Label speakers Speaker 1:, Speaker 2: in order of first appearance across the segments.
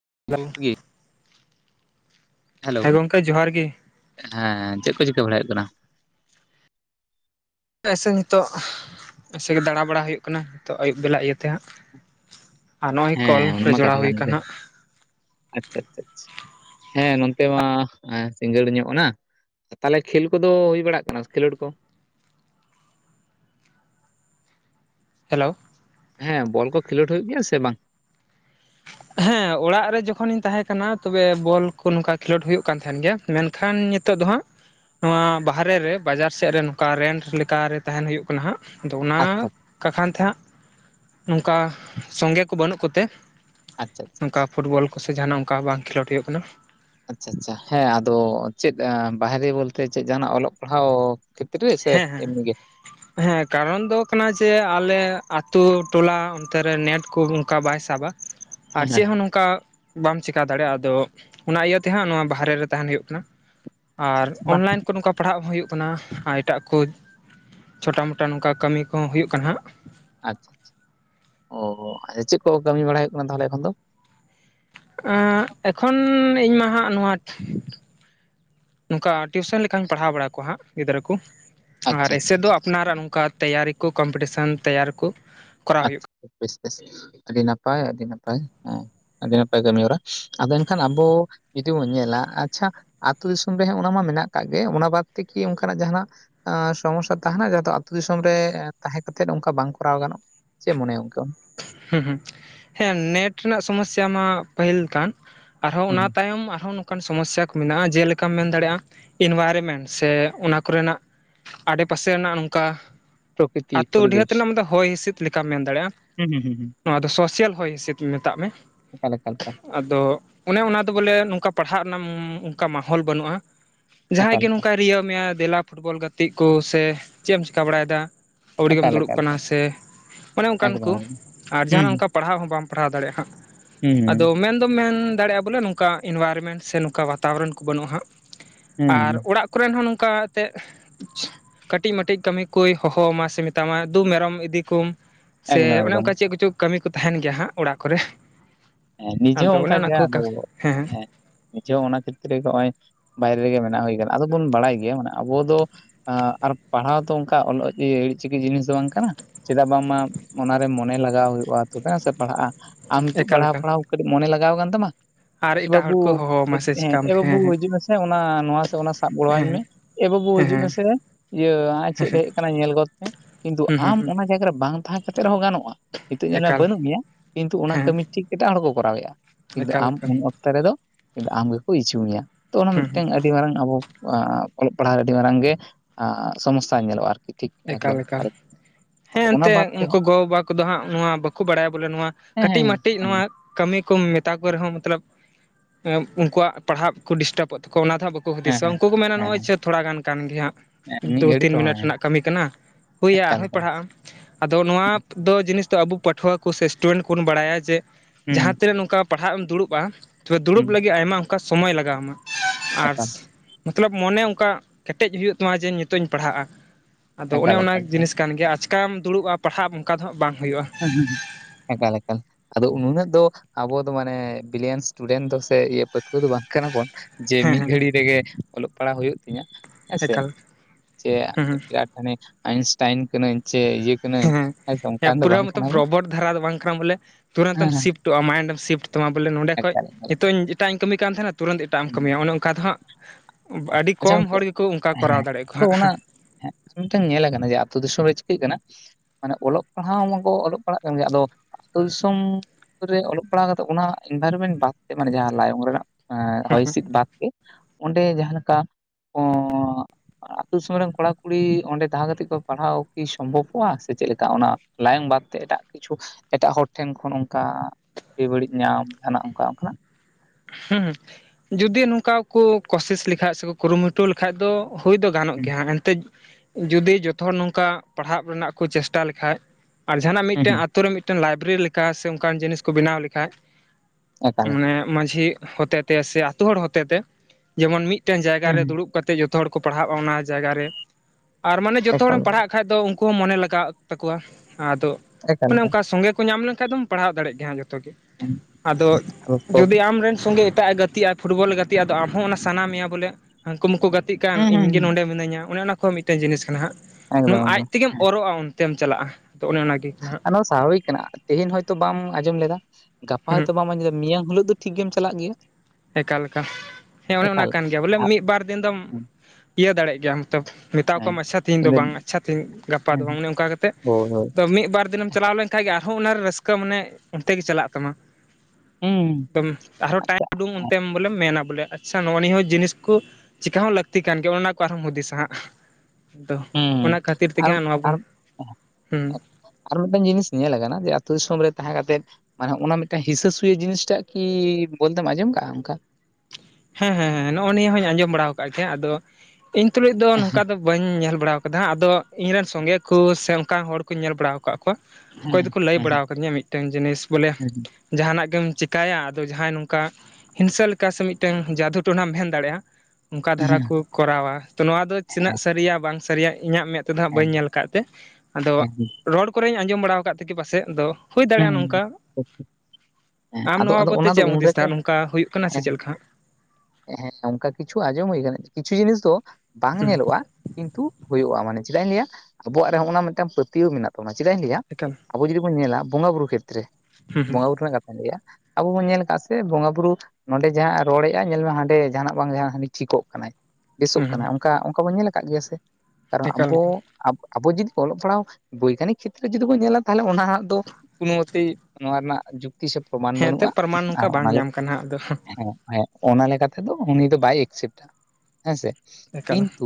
Speaker 1: [unintelligible]
Speaker 2: Hello
Speaker 1: ᱦᱮᱸ ᱜᱚᱝᱠᱮ ᱡᱚᱦᱟᱨ ᱜᱮ
Speaker 2: ᱦᱮᱸ ᱪᱮᱫ ᱠᱚ ᱪᱤᱠᱟᱹ ᱵᱟᱲᱟᱭᱮᱫ ᱠᱟᱱᱟ
Speaker 1: [unintelligible] ᱱᱤᱛᱚᱜ ᱮᱭᱥᱮᱜᱮ ᱫᱟᱬᱟᱵᱲᱟ ᱦᱩᱭᱩᱜ ᱠᱟᱱᱟ ᱱᱤᱛᱚᱜ ᱟᱹᱭᱩᱵ ᱵᱮᱞᱟ ᱤᱭᱟᱹ ᱛᱮᱦᱟᱸᱜ
Speaker 2: ᱦᱮᱸ ᱚᱱᱟ ᱠᱟᱛᱷᱟ
Speaker 1: ᱦᱩᱭ
Speaker 2: ᱠᱟᱱ ᱜᱮᱭᱟ
Speaker 1: ᱠᱟᱱᱟ ᱦᱟᱸᱜ
Speaker 2: ᱟᱪᱪᱷᱟ ᱟᱪᱪᱷᱟ ᱦᱮᱸ ᱱᱚᱱᱛᱮ ᱢᱟ ᱮᱸ ᱥᱤᱸᱜᱟᱹᱲ ᱧᱚᱜ ᱱᱟ᱾ ᱛᱟᱦᱞᱮ ᱠᱷᱮᱞ ᱠᱚᱫᱚ ᱦᱩᱭ ᱵᱟᱲᱟᱜ ᱠᱟᱱᱟ ᱠᱷᱮᱞᱳᱰ ᱠᱚ
Speaker 1: ᱦᱮᱞᱳᱣ
Speaker 2: ᱦᱮᱸ ᱵᱚᱞ ᱠᱚ ᱠᱷᱮᱞᱳᱰ ᱦᱩᱭᱩᱜ ᱜᱮᱭᱟ ᱥᱮ ᱵᱟᱝ?
Speaker 1: ᱦᱮᱸ ᱚᱲᱟᱜ ᱨᱮ ᱡᱚᱠᱷᱚᱱᱤᱧ ᱛᱟᱦᱮᱸ ᱠᱟᱱᱟ ᱛᱚᱵᱮ ᱵᱚᱞ ᱠᱚ ᱱᱚᱝᱠᱟ ᱠᱷᱮᱞᱳᱰ ᱦᱩᱭᱩᱜ ᱠᱟᱱ ᱛᱟᱦᱮᱱ ᱜᱮᱭᱟ ᱢᱮᱱᱠᱷᱟᱱ ᱱᱤᱛᱚᱜ ᱫᱚ ᱦᱟᱸᱜ ᱱᱚᱣᱟ ᱵᱟᱦᱮᱨᱮ ᱨᱮ ᱵᱟᱡᱟᱨ ᱥᱮᱫ ᱨᱮ ᱱᱚᱝᱠᱟ ᱨᱮᱱᱴ ᱞᱮᱠᱟᱨ ᱨᱮ ᱛᱟᱦᱮᱱ ᱦᱩᱭᱩᱜ ᱠᱟᱱᱟ ᱦᱟᱸᱜ ᱟᱫᱚ ᱚᱱᱟ
Speaker 2: ᱟᱪᱪᱷᱟ
Speaker 1: ᱠᱟᱠᱷᱟᱱ ᱛᱮᱦᱟᱸᱜ ᱱᱚᱝᱠᱟ ᱥᱚᱸᱜᱮ ᱠᱚ ᱵᱟᱹᱱᱩᱜ ᱠᱚᱛᱮ
Speaker 2: ᱟᱪᱪᱷᱟ ᱟᱪᱪᱷᱟ
Speaker 1: ᱱᱚᱝᱠᱟ
Speaker 2: ᱟᱪᱪᱷᱟ
Speaker 1: ᱯᱷᱩᱴᱵᱚᱞ ᱠᱚᱥᱮ ᱡᱟᱦᱟᱱᱟᱜ ᱚᱱᱠᱟ ᱵᱟᱝ ᱠᱷᱮᱞᱳᱰ ᱦᱩᱭᱩᱜ ᱠᱟᱱᱟ
Speaker 2: ᱟᱪᱪᱷᱟ ᱟᱪᱪᱷᱟ ᱦᱮᱸ ᱟᱫᱚ ᱪᱮᱫ ᱵᱟᱭᱨᱮ ᱵᱚᱞᱛᱮ ᱪᱮᱫ ᱡᱟᱦᱱᱟᱜ ᱚᱞᱚᱜ ᱯᱟᱲᱦᱟᱣ ᱠᱷᱮᱛᱨᱮ ᱥᱮ
Speaker 1: ᱦᱮᱸ ᱦᱮᱸ
Speaker 2: ᱮᱢᱱᱤ ᱜᱮ?
Speaker 1: ᱦᱮᱸ ᱠᱟᱨᱚᱱ ᱫᱚ ᱠᱟᱱᱟ ᱡᱮ ᱟᱞᱮ ᱟᱛᱳ ᱴᱚᱞᱟ ᱚᱱᱛᱮ ᱨᱮ ᱱᱮᱴ ᱠᱚ ᱚᱱᱠᱟ ᱵᱟᱭ ᱥᱟᱵᱟ ᱟᱨ
Speaker 2: ᱦᱮᱸ ᱦᱮᱸ
Speaker 1: ᱪᱮᱫ ᱦᱚᱸ ᱱᱚᱝᱠᱟ ᱵᱟᱢ ᱪᱮᱠᱟ ᱫᱟᱲᱮᱭᱟᱜᱼᱟ ᱟᱫᱚ ᱚᱱᱟ ᱤᱭᱟᱹ ᱛᱮᱦᱟᱸ ᱱᱚᱣᱟ ᱵᱟᱦᱟᱨᱮ ᱨᱮ ᱛᱟᱦᱮᱱ ᱦᱩᱭᱩᱜ ᱠᱟᱱᱟ ᱟᱨ
Speaker 2: ᱵᱟᱝ
Speaker 1: ᱚᱱᱞᱟᱭᱤᱱ ᱠᱚ ᱱᱚᱝᱠᱟ ᱯᱟᱲᱦᱟᱜ ᱦᱚᱸ ᱦᱩᱭᱩᱜ ᱠᱟᱱᱟ ᱮᱴᱟᱜ ᱠᱚ ᱪᱷᱳᱚᱴᱟ ᱢᱳᱚᱴᱟ ᱱᱚᱝᱠᱟ ᱠᱟᱹᱢᱤ ᱠᱚᱦᱚᱸ ᱦᱩᱭᱩᱜ ᱠᱟᱱᱟ ᱦᱟᱸᱜ
Speaker 2: ᱟᱪᱪᱷᱟ ᱟᱪᱪᱷᱟ ᱚ ᱟ ᱪᱮᱫ ᱠᱚ ᱠᱟᱹᱢᱤ ᱵᱟᱲᱟᱟᱭ ᱦᱩᱭᱩᱜ ᱠᱟᱱᱟ ᱛᱟᱦᱚᱞᱮ ᱮᱠᱷᱚᱱ ᱫᱚ
Speaker 1: ᱮᱠᱷᱚᱱ ᱤᱧ ᱢᱟ ᱦᱟᱸᱜ ᱱᱚᱣᱟ ᱱᱚᱝᱠᱟ ᱴᱤᱭᱩᱥᱚᱱ ᱞᱮᱠᱟᱧ ᱯᱟᱲᱦᱟᱣ ᱵᱟᱲᱟ ᱠᱚᱣᱟ ᱦᱟᱸᱜ ᱜᱤᱫᱽᱨᱟᱹ ᱠᱚ
Speaker 2: ᱟᱪᱪᱷᱟ
Speaker 1: ᱟᱨ
Speaker 2: ᱟᱪᱪᱷᱟ
Speaker 1: ᱮᱥᱮ ᱫᱚ ᱟᱯᱱᱟᱨᱟᱜ ᱱᱚᱝᱠᱟ ᱛᱮᱭᱟᱨᱤ ᱠᱚ ᱠᱚᱢᱯᱤᱴᱤᱥᱮᱱ ᱛᱮᱭᱟᱨ ᱠᱚ ᱠᱚᱨᱟᱣ ᱦᱩᱭᱩᱜ ᱠᱟᱱᱟ
Speaker 2: ᱟᱪᱪᱷᱟ ᱵᱮᱥ ᱵᱮᱥ ᱟᱹᱰᱤ ᱱᱟᱯᱟᱭ ᱟᱹᱰᱤ ᱱᱟᱯᱟᱲ ᱯᱟᱭ ᱦᱮᱸ ᱟᱹᱰᱤ ᱱᱟᱯᱟᱭ ᱠᱟᱹᱢᱤ ᱦᱚᱨᱟ ᱟᱫᱚ ᱮᱱᱠᱷᱟᱱ ᱟᱵᱚ ᱡᱩᱫᱤ ᱵᱚᱱ ᱧᱮᱞᱟ ᱟᱪᱪᱷᱟ ᱟᱛ ᱟᱛᱩ ᱫᱤᱥᱚᱢ ᱨᱮ ᱦᱟᱸᱜ ᱚᱱᱟ ᱢᱟ ᱢᱮᱱᱟᱜ ᱟᱠᱟᱜ ᱜᱮ ᱚᱱᱟ ᱵᱟᱛ ᱛᱮᱠᱤ ᱚᱱᱠᱟᱱᱟᱜ ᱡᱟᱦᱱᱟᱜ ᱟ ᱥᱚᱢᱚᱥᱥᱟ ᱛᱟᱦᱮᱱᱟ ᱡᱟᱦᱟᱸ ᱫᱚ ᱟᱛᱩ ᱫᱤᱥᱚᱢ ᱯᱮᱻ ᱛᱟᱦᱮᱸ ᱠᱟᱛᱮᱫ ᱚᱱᱠᱟ ᱵᱟᱝ ᱠᱚᱨᱟᱣ ᱜᱟᱱᱚᱜᱼᱟ ᱪᱮᱫ ᱮᱢ ᱢᱚᱱᱮᱭᱟ ᱜᱚᱝᱠᱮ ᱟᱢ
Speaker 1: ᱦᱩᱸ ᱦᱩᱸ ᱦᱮᱸ ᱱᱮᱴ ᱨᱮᱱᱟᱜ ᱥᱚᱢᱚᱥᱥᱟ ᱢᱟ ᱯᱟᱹᱦᱤᱞ ᱠᱟᱱ ᱟᱨᱦᱚᱸ
Speaker 2: ᱦᱩᱸ
Speaker 1: ᱚᱱᱟ ᱛᱟᱭᱚᱢ ᱟᱨᱦᱚᱸ ᱚᱱᱠᱟᱱ ᱥᱚᱢᱚᱥᱥᱟ ᱠᱚ ᱢᱮᱱᱟᱜᱼᱟ ᱡᱮᱞᱮᱠᱟᱢ ᱢᱮᱱ ᱫᱟᱲᱮᱭᱟᱜᱼᱟ ᱤᱱᱵᱷᱟᱨᱢᱮᱱᱴ ᱥᱮ ᱚᱱᱟ ᱠᱚᱨᱮᱱᱟᱜ ᱟᱰᱮᱯᱟᱥᱮ ᱨᱮᱱᱟᱜ ᱱᱚᱝᱠᱟ
Speaker 2: ᱯᱨᱚᱠᱤᱛᱤ
Speaker 1: ᱟᱛᱳ ᱰᱤᱦᱟᱹᱛ
Speaker 2: ᱯᱚᱨᱤᱵᱮᱥ
Speaker 1: ᱨᱮᱱᱟᱜ ᱢᱤᱫ ᱫᱚ ᱦᱚᱭ ᱦᱤᱸᱥᱤᱫ ᱞᱮᱠᱟᱢ ᱢᱮᱱ ᱫᱟᱲᱮᱭᱟᱜᱼᱟ
Speaker 2: ᱦᱩᱸ ᱦᱩᱸ ᱦᱩᱸ ᱦᱩᱸ,
Speaker 1: ᱥᱳᱥᱤᱭᱟᱞ ᱦᱚᱭ ᱦᱤᱥᱤᱫ ᱢᱮᱛᱟᱜ ᱢᱮ
Speaker 2: ᱮᱠᱟᱞ ᱮᱠᱟᱞ ᱮᱠᱟᱞ
Speaker 1: ᱟᱫᱚ ᱚᱱᱮ ᱚᱱᱟ ᱫᱚ ᱵᱚᱞᱮ ᱱᱚᱝᱠᱟ ᱯᱟᱲᱦᱟᱜ ᱨᱮᱱᱟᱜ ᱩᱢ ᱚᱱᱠᱟ ᱢᱟᱦᱚᱞ ᱵᱟᱹᱱᱩᱜᱼᱟ ᱡᱟᱦᱟᱸᱭ
Speaker 2: ᱮᱠᱟᱞ
Speaker 1: ᱜᱮ ᱱᱚᱝᱠᱟᱟᱭ ᱨᱤᱭᱟᱹᱣ ᱢᱮᱭᱟ ᱫᱮᱞᱟ ᱯᱷᱩᱴᱵᱚᱞ ᱜᱟᱛᱮ ᱜᱟᱛᱮᱜ ᱠᱚ ᱥᱮ ᱪᱮᱫ ᱮᱢ ᱪᱤᱠᱟ ᱵᱟᱲᱟᱭᱮᱫᱟ ᱟᱹᱣᱲᱤᱜᱮᱢ
Speaker 2: ᱮᱠᱟᱞ ᱮᱠᱟᱞ
Speaker 1: ᱫᱩᱲᱩᱵ
Speaker 2: ᱮᱠᱟᱞ
Speaker 1: ᱠᱟᱱᱟ
Speaker 2: ᱮᱠᱟᱞ ᱮᱠᱫᱚᱢ
Speaker 1: ᱥᱮ ᱚᱱᱮ ᱚᱱᱠᱟᱱ ᱠᱩ
Speaker 2: ᱮᱠᱫᱚᱢ
Speaker 1: ᱟᱨ
Speaker 2: ᱦᱩᱸ
Speaker 1: ᱡᱟᱦᱟᱱᱟᱜ ᱚᱱᱠᱟ ᱯᱟᱲᱦᱟᱣ ᱦᱚᱸ ᱵᱟᱢ ᱯᱟᱲᱦᱟᱣ ᱫᱟᱲᱮᱭᱟᱜᱼᱟ ᱦᱟᱸᱜ
Speaker 2: ᱦᱩᱸ ᱦᱩᱸ ᱦᱩᱸ
Speaker 1: ᱟᱫᱚ ᱢᱮᱱ ᱫᱚ ᱢᱮᱱ ᱫᱟᱲᱮᱭᱟᱜᱼᱟ ᱵᱚᱞᱮ ᱱᱚᱝᱠᱟ ᱤᱱᱵᱟᱭᱨᱢᱮᱱᱴ ᱥᱮ ᱱᱚᱝᱠᱟ ᱵᱟᱛᱟᱵᱚᱨᱚᱱ ᱠᱚ ᱵᱟᱹᱱᱩᱜᱼᱟ ᱦᱟᱸᱜ
Speaker 2: ᱦᱩᱸ
Speaker 1: ᱟᱨ
Speaker 2: ᱦᱩᱸ,
Speaker 1: ᱚᱲᱟᱜ ᱠᱚᱨᱮᱱ ᱦᱚᱸ ᱱᱚᱝᱠᱟ ᱚᱱᱠᱟᱛᱮᱫ ᱠᱟᱹᱴᱤᱡ ᱢᱟᱹᱴᱤᱡ ᱠᱟᱹᱢᱤ ᱠᱚᱭ ᱦᱚᱦᱚ ᱟᱢᱟ ᱥᱮ ᱢᱮᱛᱟᱢᱟ ᱫᱩ ᱢᱮᱨᱚᱢ ᱤᱫᱤ ᱠᱚᱢ᱾ ᱥᱮ
Speaker 2: ᱮᱠᱫᱚᱢ
Speaker 1: ᱚᱱᱮ
Speaker 2: ᱮᱠᱫᱚᱢ
Speaker 1: ᱚᱱᱠᱟ ᱪᱮᱫ ᱠᱚᱪᱚ ᱠᱟᱹᱢᱤ ᱠᱚ ᱛᱟᱦᱮᱸᱱ ᱜᱮᱭᱟ ᱦᱟᱸᱜ ᱚᱲᱟᱜ ᱠᱚᱨᱮ᱾
Speaker 2: ᱦᱮᱸ ᱱᱤᱡᱮ
Speaker 1: ᱟᱫᱚ
Speaker 2: ᱦᱚᱸ ᱚᱱᱠ
Speaker 1: ᱚᱱᱮ ᱚᱱᱟ
Speaker 2: ᱜᱮᱮ
Speaker 1: ᱠᱚ
Speaker 2: ᱟᱫᱚ ᱦᱮᱸ ᱱᱤᱡᱮ ᱦᱚᱸ ᱚᱱᱟ [unintelligible] ᱱᱚᱜᱼᱚᱭ᱾ ᱵᱟᱭᱨᱮ ᱨᱮᱜᱮ ᱢᱮᱱᱟᱜ ᱦᱩᱭ ᱟᱠᱟᱱᱟ ᱟᱫᱚ ᱵᱚᱱ ᱵᱟᱲᱟᱭ ᱜᱮᱭᱟ ᱢᱟᱱᱮ ᱟᱵᱚ ᱫᱚ ᱟᱨ ᱯᱟᱲᱦᱟᱣ ᱫᱚ ᱚᱱᱠᱟ ᱚᱞᱚᱜ ᱪᱤᱠᱤ ᱡᱤᱱᱤᱥ ᱫᱚ ᱵᱟᱝ ᱠᱟᱱᱟ ᱪᱮᱫᱟᱜ ᱵᱟᱝᱢᱟ ᱚᱱᱟᱨᱮ ᱢᱚᱱᱮ ᱞᱟᱜᱟᱣ ᱦᱩᱭᱩᱜᱼᱟ ᱛᱚᱵᱮᱟᱥᱮ ᱯᱟᱲᱦᱟᱜᱼᱟ᱾ ᱟᱢ [unintelligible]
Speaker 1: ᱮᱠᱟᱞ
Speaker 2: ᱯᱟᱲᱦᱟᱣ
Speaker 1: ᱮᱠᱟᱞ
Speaker 2: ᱯᱟᱲᱦᱟᱣ ᱠᱟᱹᱴᱤᱡ ᱢᱚᱱᱮ ᱞᱟᱜᱟᱣ ᱟᱠᱟᱱ ᱛᱟᱢᱟ᱾
Speaker 1: ᱟᱨ
Speaker 2: ᱮ
Speaker 1: ᱮᱴᱟᱜ
Speaker 2: ᱵᱟᱹᱵᱩ
Speaker 1: ᱦᱚᱲ ᱠᱚ ᱦᱚᱦᱚᱣᱟᱢᱟ
Speaker 2: ᱦᱮᱸ
Speaker 1: ᱥᱮ ᱪᱤᱠᱟᱢ
Speaker 2: ᱮ ᱵᱟᱹᱵᱩ
Speaker 1: ᱦᱮᱸ ᱦᱮᱸ
Speaker 2: ᱦᱤᱡᱩᱜ ᱢᱮᱥᱮ ᱚᱱᱟ ᱱᱚᱣᱟ ᱥᱮ ᱚᱱᱟ ᱥᱟᱵ ᱜᱚᱲᱭᱟᱧ
Speaker 1: ᱦᱮᱸ
Speaker 2: ᱢᱮ᱾ ᱮ ᱵᱟᱹᱵᱩ
Speaker 1: ᱦᱮᱸ
Speaker 2: ᱦᱤᱡᱩᱜ
Speaker 1: ᱦᱮᱸ
Speaker 2: ᱢᱮᱥᱮ ᱤᱭᱟᱹ ᱪᱮᱫ ᱦᱮᱡ ᱟᱠᱟᱱᱟ ᱧᱮᱞ ᱜᱚᱫ ᱢᱮᱮ ᱠᱤᱱᱛᱩ
Speaker 1: ᱦᱩᱸ ᱦᱩᱸ
Speaker 2: ᱟᱢ
Speaker 1: ᱦᱩᱸ
Speaker 2: ᱚᱱᱟ ᱡᱟᱭᱜᱟ ᱨᱮ ᱵᱟᱝ ᱹᱹᱹ ᱛᱟᱦᱮᱸ ᱠᱟᱛᱮᱫ ᱨᱮᱦᱚᱸ ᱜᱟᱱᱚᱜᱼᱟ ᱱᱤᱛᱚᱜ ᱧᱮᱞ ᱡᱮ
Speaker 1: ᱮᱠᱟᱞ
Speaker 2: ᱵᱟᱹᱱᱩᱜ ᱢᱮᱭᱟ ᱠᱤᱱᱛᱩ ᱚᱱᱟ
Speaker 1: ᱦᱮᱸ
Speaker 2: ᱠᱟᱹᱢᱤ ᱴᱷᱤᱠ ᱮᱴᱟᱜ ᱦᱚᱲ ᱠᱚ ᱠᱚᱨᱟᱣᱮᱫᱼᱟ ᱠᱤᱱᱛᱩ
Speaker 1: ᱮᱠᱟᱞ
Speaker 2: ᱟᱢ
Speaker 1: ᱮᱠᱟᱞ
Speaker 2: ᱩᱱ ᱚᱠᱛᱟ ᱨᱮᱫᱚ ᱠᱛᱩ ᱟᱢ ᱜᱮᱠᱚ [unintelligible] ᱢᱮᱭᱟ᱾ ᱛᱚ ᱚᱱᱟ
Speaker 1: ᱦᱩᱸ ᱦᱩᱸ
Speaker 2: ᱢᱤᱫᱴᱮᱱ ᱟᱹᱰᱤ ᱢᱟᱨᱟᱝ ᱟᱵᱚ ᱚᱞᱚᱜ ᱯᱟᱲᱦᱟᱜ ᱨᱮ ᱟᱹᱰᱤ ᱢᱟᱨᱟᱝ ᱜᱮ ᱥᱚᱢᱚᱥᱥᱟ ᱧᱮᱞᱚᱜᱼᱟ ᱟᱨᱠᱤ ᱴᱷᱤᱠ
Speaker 1: ᱮᱠᱟᱞ
Speaker 2: ᱮᱠᱫᱚᱢ
Speaker 1: ᱮᱠᱟᱞ
Speaker 2: ᱟᱨᱠ
Speaker 1: ᱦᱮᱸ ᱮᱱᱛᱮ ᱩᱱᱠᱩ ᱜᱚᱼᱵᱟᱵᱟ ᱠᱚᱫᱚ ᱦᱟᱸᱜ ᱱᱚᱣᱟ ᱵᱟᱠᱚ ᱵᱟᱲᱟᱭᱟ ᱵᱚᱞᱮ ᱱᱚᱣᱟ
Speaker 2: ᱦᱮᱸ
Speaker 1: ᱠᱟᱹᱴᱤᱡ
Speaker 2: ᱦᱮᱸ
Speaker 1: ᱢᱟᱴᱤᱡ
Speaker 2: ᱦᱮᱸ ᱮᱠᱫᱚᱢ
Speaker 1: ᱱᱚᱣᱟ ᱠᱟᱹᱢᱤ ᱠᱚᱢ ᱢᱮᱛᱟ ᱠᱚ ᱨᱮᱦᱚᱸ ᱢᱚᱛᱞᱚᱵ ᱩᱱᱠᱩᱣᱟᱜ ᱯᱟᱲᱦᱟᱜ ᱠᱚ ᱰᱤᱥᱴᱟᱵᱚᱜ ᱛᱟᱹᱹᱹᱹᱹᱹ ᱚᱱᱟ ᱫᱚ ᱦᱟᱜ ᱵᱟᱠᱚ
Speaker 2: ᱦᱮᱸ
Speaker 1: ᱦᱩᱫᱤᱥᱚᱜᱼᱟ
Speaker 2: ᱦᱮᱸ
Speaker 1: ᱩᱱᱠᱩ ᱠᱚ ᱢᱮᱱᱟ
Speaker 2: ᱦᱮᱸ
Speaker 1: ᱱᱚᱜᱼ ᱚᱭ ᱛᱷᱚᱲᱟ ᱜᱟᱱ ᱠᱟᱱ ᱜᱮᱭᱟ
Speaker 2: ᱦᱮᱸ ᱦᱮᱸ
Speaker 1: ᱦᱟᱸᱜ
Speaker 2: ᱢᱤᱫ
Speaker 1: ᱫᱩ
Speaker 2: ᱜᱷᱟᱹᱲᱤ ᱛᱚ ᱦᱮᱸ
Speaker 1: ᱛᱤᱱᱤᱴ
Speaker 2: ᱦᱮᱸ
Speaker 1: ᱨᱮᱱᱟᱜ ᱠᱟᱹᱢᱤ ᱠᱟᱱᱟ [unintelligible]
Speaker 2: ᱮᱠᱟᱞ
Speaker 1: ᱟᱨᱦᱚᱸᱭ
Speaker 2: ᱮᱠᱟᱞ
Speaker 1: ᱯᱟᱲᱦᱟᱜᱼᱟ ᱟᱫᱚ
Speaker 2: ᱦᱩᱸ
Speaker 1: ᱱᱚᱣᱟ ᱫᱚ ᱡᱤᱱᱤᱥ ᱛᱚ ᱟᱵᱚ ᱯᱟᱹᱴᱷᱩᱣᱟᱹ ᱠᱚ ᱥᱮ ᱥᱴᱩᱰᱮᱱᱴ ᱠᱚᱵᱚᱱ ᱵᱟᱲᱟᱭᱟ ᱡᱮ
Speaker 2: ᱦᱩᱸ
Speaker 1: ᱡᱟᱦᱟᱸ ᱛᱤᱱᱟᱹᱜ ᱱᱚᱝᱠᱟ ᱯᱟᱲᱦᱟᱜ ᱮᱢ ᱫᱩᱲᱩᱵᱼᱟ᱾ ᱛᱚᱵᱮ
Speaker 2: ᱦᱩᱸ
Speaker 1: ᱫᱩᱲᱩᱵ ᱞᱟᱹᱜᱤᱫ ᱟᱭᱢᱟ ᱚᱱᱠᱟ ᱥᱚᱢᱚᱭ ᱞᱟᱜᱟᱣ ᱟᱢᱟ
Speaker 2: ᱮᱠᱟᱞ
Speaker 1: ᱟᱨᱥ ᱢᱚᱛᱞᱚᱵ ᱢᱚᱱᱮ ᱚᱱᱠᱟ ᱠᱮᱴᱮᱡ ᱦᱩᱭᱩᱜ ᱛᱟᱢᱟ ᱡᱮ ᱱᱤᱛᱚᱜ ᱤᱧ ᱯᱟᱲᱦᱟᱜᱼᱟ᱾ ᱟᱫᱚ ᱚᱱᱮ
Speaker 2: ᱮᱠᱟᱞ
Speaker 1: ᱚᱱᱟ
Speaker 2: ᱮᱠᱟᱞ ᱮᱠᱟᱞ
Speaker 1: ᱡᱤᱱᱤᱥ ᱠᱟᱱ ᱜᱮᱭᱟ ᱟᱪᱠᱟᱢ ᱫᱩᱲᱩᱵᱼᱟ ᱯᱟᱲᱦᱟᱜ ᱚᱱᱠᱟ ᱫᱚ ᱦᱟᱸᱜ ᱵᱟᱝ ᱦᱩᱭᱩᱜᱼᱟ
Speaker 2: [inaudible] ᱟᱠᱟᱞᱟᱠᱟᱞ ᱟᱫᱚ ᱩᱩᱱᱟᱹᱜ ᱟᱵᱚ ᱫᱚ ᱢᱟᱱᱮ ᱵᱤᱞᱤᱭᱚᱱ ᱥᱴᱩᱰᱮᱱᱴ ᱫᱚ ᱥᱮ ᱯᱟᱹᱴᱷᱩᱣᱟᱹ ᱫᱚ ᱵᱟᱝ ᱠᱟᱱᱟ ᱵᱚᱱ᱾ ᱡᱮ
Speaker 1: ᱦᱮᱸ
Speaker 2: ᱢᱤᱫ
Speaker 1: ᱦᱮᱸ
Speaker 2: ᱜᱷᱟᱹᱲᱤ ᱨᱮᱜᱮ ᱚᱞᱚᱜ ᱯᱟᱲᱦᱟᱜ ᱦᱩᱭᱩᱜ ᱛᱤᱧᱟᱹ᱾ ᱦᱮᱸᱥᱮ
Speaker 1: ᱮᱠᱟᱞ
Speaker 2: ᱪᱮ
Speaker 1: ᱦᱮᱸ ᱦᱮᱸ
Speaker 2: [unintelligible] ᱟᱭᱤᱱᱥᱴᱟᱭᱤᱱ ᱠᱟᱹᱱᱟᱹᱧ᱾ ᱪᱮ ᱤᱭᱟᱹ ᱠᱟᱹᱱᱟᱹᱧ ᱦᱮᱸ ᱥᱮ ᱚᱱᱠᱟᱱ ᱫᱚ ᱵᱟᱝ ᱠᱟᱱᱟ ᱵᱚᱱ
Speaker 1: ᱨᱚᱵᱴ ᱫᱷᱟᱨᱟ ᱫᱚ ᱵᱟᱝ ᱠᱟᱱᱟ ᱵᱚᱞᱮ
Speaker 2: ᱦᱮᱸ
Speaker 1: ᱛᱩᱨᱛᱚᱢ
Speaker 2: ᱦᱮᱸ
Speaker 1: ᱥᱤᱯᱴᱚᱜᱼᱟ ᱢᱟᱭᱤᱱᱰᱢ ᱥᱤᱯᱷᱴ ᱛᱟᱢᱟ ᱵᱚᱞᱮ ᱱᱚᱰᱮ ᱠᱷᱚᱡ
Speaker 2: ᱮᱠᱟᱞ ᱮᱠᱟᱞ ᱮᱠᱟᱞ
Speaker 1: ᱱᱤᱛᱚᱜ ᱤᱧ ᱮᱴᱟᱜ ᱤᱧ ᱹᱹᱹ [inaudible] ᱠᱟᱹᱢᱤ ᱠᱟᱱ ᱛᱟᱦᱮᱱᱟ᱾ ᱛᱩᱨᱟᱹᱛ ᱮᱴᱟᱜ ᱮᱢ
Speaker 2: ᱦᱩᱸ,
Speaker 1: ᱠᱟᱹᱢᱤᱭᱟ ᱚᱱᱮ ᱚᱱᱠᱟ ᱫᱚ ᱦᱟᱸᱜ
Speaker 2: ᱦᱮᱸ
Speaker 1: ᱟᱹᱰᱤ
Speaker 2: ᱟᱪᱪᱷᱟ
Speaker 1: ᱠᱚᱢ
Speaker 2: ᱜᱚᱝᱠᱮ
Speaker 1: ᱦᱚᱲ ᱜᱮᱠᱚ ᱚᱱᱠᱟ ᱠᱚᱨᱟᱣ
Speaker 2: ᱦᱮᱸ
Speaker 1: ᱫᱟᱲᱮᱭᱟᱜ ᱠᱚ
Speaker 2: ᱟᱫᱚ
Speaker 1: ᱦᱟᱸᱜ᱾
Speaker 2: ᱚᱱᱟ ᱦᱮᱸ ᱢᱤᱫᱴᱟᱝ ᱧᱮᱞᱟᱠᱟᱱᱟ ᱡᱮ ᱟᱹᱛᱩ ᱫᱤᱥᱚᱢ ᱨᱮ ᱪᱤᱠᱟᱹᱜ ᱠᱟᱱᱟ᱾ ᱢᱟᱱᱮ ᱚᱞᱚᱜ ᱯᱟᱲᱦᱟᱣ ᱢᱟᱠᱚ ᱚᱞᱚᱜ ᱯᱟᱲᱦᱟᱜ ᱠᱟᱱ ᱜᱮᱭᱟ ᱟᱫᱚ ᱟᱹᱛᱩ ᱫᱤᱥᱚᱢ ᱨᱮ ᱚᱞᱚᱜ ᱯᱟᱲᱦᱟᱣ ᱠᱟᱛᱮ ᱚᱱᱟ ᱤᱱᱵᱷᱟᱨᱨᱢᱮᱱᱴ ᱵᱟᱫᱛᱮ ᱢᱟᱱᱮ ᱡᱟᱦᱟᱸ ᱞᱟᱭᱚᱝ ᱨᱮᱱᱟᱜ ᱦᱚᱭ ᱦᱤᱸᱥᱤᱫ ᱵᱟᱫᱽ ᱜᱮ ᱚᱸᱰᱮ ᱡᱟᱦᱟᱸᱞᱮᱠᱟ [inaudible] ᱟᱹᱛᱩ ᱫᱤᱥᱚᱢ ᱨᱮᱱ ᱠᱚᱲᱟ ᱠᱩᱲᱤ ᱚᱸᱰᱮ ᱫᱟᱦᱟ ᱠᱟᱛᱮᱜ ᱠᱚ ᱯᱟᱲᱦᱟᱣ ᱠᱤ ᱥᱚᱢᱵᱷᱚᱵᱚᱜᱼᱟ ᱥᱮ ᱪᱮᱫᱞᱮᱠᱟ ᱚᱱᱟ ᱞᱟᱭᱚᱝ ᱵᱟᱫᱛᱮ ᱮᱴᱟᱜ ᱠᱤᱪᱷᱩ ᱮᱴᱟᱜ ᱦᱚᱲ ᱴᱷᱮᱱ ᱠᱷᱚᱱ ᱚᱱᱠᱟ᱾ ᱟᱹᱰᱤ ᱵᱟᱹᱲᱤᱡ ᱧᱟᱢ ᱦᱟᱱᱟᱜ ᱚᱱᱠᱟ ᱚᱱᱠᱟᱱᱟᱜ᱾
Speaker 1: ᱦᱮᱸ ᱡᱩᱫᱤ ᱱᱚᱝᱠᱟ ᱠᱚ ᱠᱳᱥᱤᱥ ᱞᱮᱠᱷᱟᱡ ᱥᱮᱠᱚ ᱠᱩᱨᱩᱢᱩᱴᱩ ᱞᱮᱠᱷᱟᱡ ᱫᱚ ᱦᱩᱭ ᱫᱚ ᱜᱟᱱᱚᱜ
Speaker 2: ᱦᱩᱸ
Speaker 1: ᱜᱮᱭᱟ ᱦᱟᱸᱜ ᱮᱱᱛᱮᱫ ᱡᱩᱫᱤ ᱡᱚᱛᱚ ᱱᱚᱝᱠᱟ ᱯᱟᱲᱦᱟᱜ ᱨᱮᱱᱟᱜ ᱠᱚ ᱪᱮᱥᱴᱟ ᱞᱮᱠᱷᱟᱡ ᱟᱨ ᱡᱟᱦᱟᱱᱟᱜ
Speaker 2: ᱦᱩᱸ
Speaker 1: ᱢᱤᱫᱴᱮᱱ
Speaker 2: ᱦᱩᱸ
Speaker 1: ᱟᱛᱩ ᱨᱮ ᱢᱤᱫᱴᱮᱱ ᱞᱟᱭᱵᱨᱮᱨᱤ ᱞᱮᱠᱟ ᱥᱮ ᱚᱱᱠᱟᱱ ᱡᱤᱱᱤᱥ ᱠᱚ ᱵᱮᱱᱟᱣ ᱞᱮᱠᱷᱟᱡ
Speaker 2: ᱮᱠᱟᱞᱮᱠᱟ
Speaker 1: ᱡᱷᱤ ᱦᱚᱛᱮᱛᱮ ᱥᱮ ᱟᱛᱩ ᱦᱚᱲ ᱦᱚᱛᱮᱛᱮ ᱡᱮᱢᱚᱱ ᱢᱤᱫᱴᱮᱱ ᱡᱟᱭᱜᱟ
Speaker 2: ᱦᱩᱸ
Speaker 1: ᱨᱮ
Speaker 2: ᱦᱩᱸ
Speaker 1: ᱫᱩᱲᱩᱵ ᱠᱟᱛᱮ ᱹᱹᱹᱹ ᱡᱚᱛᱚ ᱦᱚᱲ ᱠᱚ ᱯᱟᱲᱦᱟᱜᱼᱟ ᱚᱱᱟ ᱡᱟᱭᱜᱟ ᱨᱮ ᱟᱨ ᱢᱟᱱᱮ ᱡᱚᱛᱚ
Speaker 2: ᱮᱠᱟᱞ
Speaker 1: ᱦᱚᱲᱮᱢ
Speaker 2: ᱮᱠᱟᱞ
Speaker 1: ᱯᱟᱲᱦᱟᱜ ᱠᱷᱟᱱ ᱫᱚ ᱩᱱᱹᱹᱹ ᱠᱚ ᱢᱚᱱᱮ ᱞᱟᱜᱟᱣ ᱛᱟᱠᱚᱣᱟ ᱟᱫᱚ
Speaker 2: ᱮᱠᱟᱞ
Speaker 1: ᱚᱱᱮ
Speaker 2: ᱮᱠᱟᱞ
Speaker 1: ᱚᱱᱠᱟ ᱥᱚᱸᱜᱮ ᱠᱚ ᱧᱟᱢ ᱞᱮᱱᱠᱷᱟᱱ ᱫᱚᱢ ᱯᱟᱲᱦᱟᱣ ᱫᱟᱲᱮᱜ ᱜᱮᱭᱟ ᱦᱟᱸᱜ ᱡᱚᱛᱚ
Speaker 2: ᱦᱩᱸ
Speaker 1: ᱟᱫᱚ ᱡᱩᱫᱤ
Speaker 2: ᱦᱩᱸ
Speaker 1: ᱟᱢᱨᱮᱱ ᱥᱚᱸᱜᱮ ᱮᱴᱟᱜ ᱮ ᱜᱟᱛᱮᱜᱼᱟ ᱯᱷᱩᱴᱵᱚᱞᱮ ᱜᱟᱛᱮᱜᱼᱟ ᱟᱫᱚ ᱟᱢ ᱦᱚᱸ ᱚᱱᱟ ᱥᱟᱱᱟ ᱢᱮᱮᱭᱟ ᱵᱚᱞᱮ ᱦᱟᱹᱱᱠᱩ ᱢᱟᱠᱚ ᱜᱟᱛᱮᱹᱹᱹᱹ ᱜᱟᱹᱛᱤᱜ ᱠᱟᱱ ᱤᱧ ᱜᱮ
Speaker 2: ᱦᱩᱸ
Speaker 1: ᱱᱚᱰᱮ ᱢᱤᱱᱟᱹᱧᱟ ᱚᱱᱮ ᱚᱱᱟ ᱠᱚᱸ ᱢᱤᱫᱴᱮᱱ ᱡᱤᱱᱤᱥ ᱠᱟᱱᱟ
Speaker 2: ᱮᱠᱫᱚᱢ
Speaker 1: ᱦᱟᱸᱜ
Speaker 2: ᱮᱠᱫᱚᱢ
Speaker 1: ᱟᱡ ᱛᱮᱜᱮᱢ ᱚᱨᱚᱜᱼᱟ᱾ ᱛᱮᱢ ᱪᱟᱞᱟᱜᱼᱟ᱾ ᱛᱚ ᱚᱱᱮ ᱚᱱᱟᱜᱮ ᱦᱟᱸᱜ
Speaker 2: ᱱᱚᱣᱟ ᱫᱚ ᱥᱟᱵᱷᱟᱵᱤᱠ ᱠᱟᱱᱟ ᱛᱮᱦᱤᱧ ᱦᱚᱭᱛᱳ ᱵᱟᱢ ᱟᱸᱡᱚᱢ ᱞᱮᱫᱟ ᱜᱟᱯᱟ
Speaker 1: ᱦᱩᱸ
Speaker 2: ᱦᱚᱭᱛᱳ ᱵᱟᱢ ᱟᱸᱡᱚᱢ ᱢᱮᱭᱟᱝ [unintelligible] ᱫᱚ ᱴᱷᱤᱠ ᱜᱮᱢ ᱪᱟᱞᱟᱜ ᱜᱮᱭᱟ
Speaker 1: ᱮᱠᱟᱞᱮᱠᱟ ᱦᱮᱸ ᱚᱱᱮ ᱚᱱᱟ
Speaker 2: ᱮᱠᱟᱞ
Speaker 1: ᱠᱟᱱ ᱜᱮᱭᱟ ᱵᱚᱞᱮ
Speaker 2: ᱟᱨ
Speaker 1: ᱢᱤᱫ ᱵᱟᱨ ᱫᱤᱱ ᱫᱚᱢ ᱤᱭᱟᱹ ᱫᱟᱲᱮᱜ ᱜᱮᱭᱟᱢ [unintelligible] ᱢᱮᱛᱟ ᱠᱚᱣᱟᱜ ᱟᱪᱪᱷᱟ ᱛᱮᱦᱮᱧ ᱫᱚ
Speaker 2: ᱦᱮᱸ ᱦᱮᱸ
Speaker 1: ᱵᱟᱝ ᱟᱪᱪᱷᱟ ᱛᱮᱦᱮᱧ ᱜᱟᱯᱟ ᱫᱚ ᱵᱟᱝ ᱚᱱᱠᱟ ᱠᱟᱛᱮ
Speaker 2: ᱦᱳᱭ ᱦᱳᱭ
Speaker 1: ᱢᱤᱫ ᱵᱟᱨ ᱫᱤᱱᱮᱢ ᱪᱟᱞᱟᱣ [unintelligible] ᱞᱮᱱᱠᱷᱟᱱ ᱜᱮ ᱟᱨᱦᱚᱸ ᱚᱱᱟ ᱨᱮ ᱨᱟᱹᱥᱠᱟᱹ ᱢᱟᱱᱮ ᱚᱱᱛᱮ ᱜᱮ ᱪᱟᱞᱟᱜ ᱛᱟᱢᱟ᱾
Speaker 2: ᱦᱩᱸ ᱟᱪᱟᱜ
Speaker 1: ᱩᱸ ᱚᱱᱛᱮᱢ ᱵᱚᱞᱮᱢ ᱢᱮᱱᱟ ᱵᱚᱞᱮ ᱟᱪᱪᱷᱟ ᱱᱚᱜ- ᱱᱤᱭᱟᱹ ᱡᱤᱱᱤᱥ ᱠᱩ ᱪᱤᱠᱟ ᱦᱚᱸ ᱞᱟᱹᱠᱛᱤ ᱠᱟᱱ ᱜᱮᱭᱟ ᱚᱱᱟ ᱠᱚ ᱟᱨᱦᱚᱢ ᱦᱩᱫᱤᱥᱟ ᱦᱟᱸᱜ᱾ ᱟᱫᱚ
Speaker 2: ᱦᱚᱸ
Speaker 1: ᱚᱱᱟ ᱠᱷᱟᱹᱛᱤᱨ
Speaker 2: ᱟᱨ
Speaker 1: ᱛᱮᱜᱮ ᱦᱟᱸᱜ ᱱᱚᱣᱟ
Speaker 2: ᱟᱨ
Speaker 1: ᱵᱚᱱ
Speaker 2: [unintelligible]
Speaker 1: ᱦᱩᱸ
Speaker 2: ᱟᱨ ᱢᱤᱫᱴᱟᱝ ᱡᱤᱱᱤᱥ ᱧᱮᱞ ᱟᱠᱟᱱᱟ ᱡᱮ ᱟᱹᱛᱩ ᱫᱤᱥᱚᱢ ᱨᱮ ᱛᱟᱦᱮᱸ ᱠᱟᱛᱮᱫ ᱢᱟᱱᱮ ᱚᱱᱟ ᱢᱤᱫᱴᱟᱱ ᱦᱤᱥᱟᱹ ᱥᱩᱭᱟᱹ ᱡᱤᱱᱤᱥᱴᱟᱜ ᱠᱤᱻ ᱵᱚᱞᱛᱮᱢ ᱟᱸᱡᱚᱢ ᱠᱟᱜᱼᱟ ᱚᱱᱠᱟ?
Speaker 1: ᱦᱮᱸ ᱦᱮᱸ ᱦᱮᱸ ᱦᱮᱸ ᱱᱚᱜ-ᱚ ᱱᱤᱭᱟᱹ ᱦᱚᱧ ᱟᱸᱡᱚᱢ ᱵᱟᱲᱟ ᱟᱠᱟᱫ ᱜᱮᱭᱟ ᱟᱫᱚ ᱤᱧ ᱛᱩᱞᱩᱡ ᱫᱚ ᱱᱚᱝᱠᱟ ᱫᱚ ᱵᱟᱹᱧ ᱧᱮᱞ ᱵᱟᱲᱟᱣ ᱟᱠᱟᱫᱟ ᱦᱟᱸ-ᱜ ᱟᱫᱚ ᱤᱧ ᱨᱮᱱ ᱥᱚᱸᱜᱮ ᱠᱚ ᱥᱮ ᱚᱱᱠᱟᱱ ᱦᱚᱲ ᱠᱚᱧ ᱧᱮᱞ ᱵᱟᱲᱟᱣ ᱟᱠᱟᱫ ᱠᱚᱣᱟ
Speaker 2: ᱦᱮᱸ
Speaker 1: ᱚᱠᱚᱭ
Speaker 2: ᱦᱮᱸ
Speaker 1: ᱫᱚᱠᱚ ᱞᱟᱹᱭ
Speaker 2: ᱦᱮᱸ
Speaker 1: ᱵᱟᱲᱟᱣ
Speaker 2: ᱦᱮᱸ
Speaker 1: ᱟᱠᱟᱫᱤᱸᱧᱟ ᱢᱤᱫᱴᱮᱱ ᱡᱤᱱᱤᱥ ᱵᱚᱞᱮ
Speaker 2: ᱦᱮᱸ
Speaker 1: ᱡᱟᱦᱟᱱᱟᱜ ᱜᱮᱢ ᱪᱤᱠᱟᱭᱟ ᱟᱫᱚ ᱡᱟᱦᱟᱸᱭ ᱱᱚᱝᱠᱟ ᱦᱤᱝᱥᱟᱹ ᱞᱮᱠᱟ ᱥᱮ ᱢᱤᱫᱴᱮᱱ ᱡᱟᱹᱫᱩ ᱴᱚᱱᱟᱢ ᱢᱮᱱ ᱫᱟᱲᱮᱭᱟᱜ-ᱟ᱾ ᱚᱱᱠᱟ ᱫᱷᱟᱨᱟ ᱠᱚ ᱠᱚᱨᱟᱣᱟ ᱛᱚ ᱱᱚᱣᱟ ᱫᱚ ᱛᱤᱱᱟᱹᱜ
Speaker 2: ᱦᱮᱸ
Speaker 1: ᱥᱟᱹᱨᱤᱭᱟ ᱵᱟᱝ ᱥᱟᱹᱨᱤᱭᱟ ᱤᱧᱟᱹᱜ ᱢᱮᱫ ᱛᱮᱫ ᱫᱚ ᱦᱟᱸᱜ
Speaker 2: ᱦᱮᱸ
Speaker 1: ᱵᱟᱹᱧ ᱧᱮᱞ ᱟᱠᱟᱫ ᱛᱮ ᱟᱫᱚ
Speaker 2: ᱦᱮᱸ
Speaker 1: ᱨᱚᱲ ᱠᱚᱨᱮᱧ ᱟᱸᱡᱚᱢ ᱵᱟᱲᱟᱣ ᱟᱠᱟᱫ ᱛᱮᱜᱮ ᱯᱟᱥᱮᱫ ᱫᱚ
Speaker 2: [unintelligible] ᱦᱮᱸ
Speaker 1: ᱟᱢ
Speaker 2: ᱟᱫᱚ
Speaker 1: ᱱᱚᱣᱟ
Speaker 2: ᱟᱫᱚ
Speaker 1: ᱵᱟᱵᱚᱫ
Speaker 2: ᱚᱱᱟ
Speaker 1: ᱛᱮ
Speaker 2: ᱫᱚ
Speaker 1: ᱪᱮᱫ ᱮᱢ ᱦᱩᱫᱤᱥ
Speaker 2: ᱩᱱᱨᱮᱜᱮ
Speaker 1: ᱮᱫᱟ ᱱᱚᱝᱠᱟ ᱦᱩᱭᱩᱜ ᱠᱟᱱᱟ ᱥᱮ
Speaker 2: ᱦᱮᱸ
Speaker 1: ᱪᱮᱫ ᱞᱮᱠᱟ ᱦᱟᱸᱜ
Speaker 2: ᱦᱮᱸ ᱚᱱᱠᱟ ᱠᱤᱪᱷᱩ ᱟᱸᱡᱚᱢ ᱦᱩᱭ ᱠᱟᱱᱟ ᱠᱤᱪᱷᱩ ᱡᱤᱱᱤᱥ ᱫᱚ ᱵᱟᱝ
Speaker 1: ᱦᱩᱸ
Speaker 2: ᱧᱮᱞᱚᱜ-ᱟ ᱠᱤᱱᱛᱩ ᱦᱩᱭᱩᱜ-ᱟ ᱢᱟᱱᱮ ᱪᱮᱫᱟᱜ ᱤᱧ ᱞᱟᱹᱭᱟ ᱟᱵᱚᱣᱟᱜ ᱨᱮᱦᱚᱸ ᱚᱱᱟ ᱢᱤᱫᱴᱟᱝ ᱯᱟᱹᱛᱭᱟᱹᱣ ᱢᱮᱱᱟᱜ ᱚᱱᱟ ᱪᱮᱫᱟᱜ ᱤᱧ ᱞᱟᱹᱭᱟ
Speaker 1: ᱮᱠᱟᱞ
Speaker 2: ᱟᱵᱚ ᱡᱩᱫᱤ ᱵᱚᱱ ᱧᱮᱞᱟ ᱵᱚᱸᱜᱟ ᱵᱩᱨᱩ ᱠᱷᱮᱛᱨᱮ
Speaker 1: ᱦᱩᱸ ᱦᱩᱸ
Speaker 2: ᱵᱚᱸᱜᱟ ᱵᱩᱨᱩ ᱨᱮᱱᱟᱜ ᱠᱟᱛᱷᱟᱧ ᱞᱟᱹᱭᱟ ᱟᱵᱚ ᱵᱚᱱ ᱧᱮᱞ ᱠᱟᱫ ᱥᱮ ᱵᱚᱸᱜᱟ ᱵᱩᱨᱩ ᱱᱚᱸᱰᱮ ᱡᱟᱦᱟᱸ ᱨᱚᱲᱮᱟᱭ ᱧᱮᱞ ᱢᱮ ᱦᱟᱸᱰᱮ ᱡᱟᱦᱟᱱᱟᱜ ᱵᱟᱝ ᱡᱟᱸᱦᱟᱸ ᱪᱷᱤᱠᱚᱜ ᱠᱟᱱᱟᱭ᱾ ᱵᱮᱥᱚᱜ
Speaker 1: ᱦᱩᱸ
Speaker 2: ᱠᱟᱱᱟ
Speaker 1: ᱦᱩᱸ
Speaker 2: ᱚᱱᱠᱟ ᱚᱱᱠᱟ ᱵᱚᱱ ᱧᱮᱞ ᱟᱠᱟᱫ ᱜᱮᱭᱟ ᱥᱮ ᱠᱟᱨᱚᱱ
Speaker 1: ᱮᱠᱟᱞ
Speaker 2: ᱟᱵᱚ
Speaker 1: ᱮᱠᱟᱞ
Speaker 2: ᱟᱵ ᱟᱵᱚ ᱡᱩᱫᱤ ᱚᱞᱚᱜ ᱯᱟᱲᱦᱟᱣ ᱵᱳᱭᱜᱟᱱᱤᱠ ᱠᱷᱮᱛᱨᱮ ᱡᱩᱫᱤ ᱵᱚ ᱧᱮᱞᱟ ᱛᱟᱦᱚᱞᱮ ᱚᱱᱟ ᱦᱟᱸᱜ ᱫᱚ ᱠᱩᱢᱚᱛᱤ ᱱᱚᱣᱟ ᱨᱮᱱᱟᱜ ᱡᱩᱠ ᱛᱤᱥᱮ ᱯᱨᱚᱢᱟᱱ
Speaker 1: ᱦᱮᱸ
Speaker 2: ᱵᱟᱹᱱᱩᱜᱼᱟ
Speaker 1: ᱮᱱᱛᱮᱫ ᱯᱨᱚᱢᱟᱱ ᱱᱚᱝᱠᱟ
Speaker 2: ᱟᱨ
Speaker 1: ᱵᱟᱝ
Speaker 2: ᱚᱱᱟ ᱦᱮᱸ
Speaker 1: ᱧᱟᱢ ᱠᱟᱱᱟ ᱟᱫᱚ
Speaker 2: ᱦᱮᱸ ᱚᱱᱟ ᱞᱮᱠᱟ ᱛᱮᱫᱚ ᱩᱱᱤ ᱫᱚ ᱵᱟᱭ ᱮᱠᱥᱮᱯᱴᱟ ᱦᱮᱸᱥᱮ
Speaker 1: ᱮᱠᱟᱞ
Speaker 2: ᱠᱤᱱᱛᱩ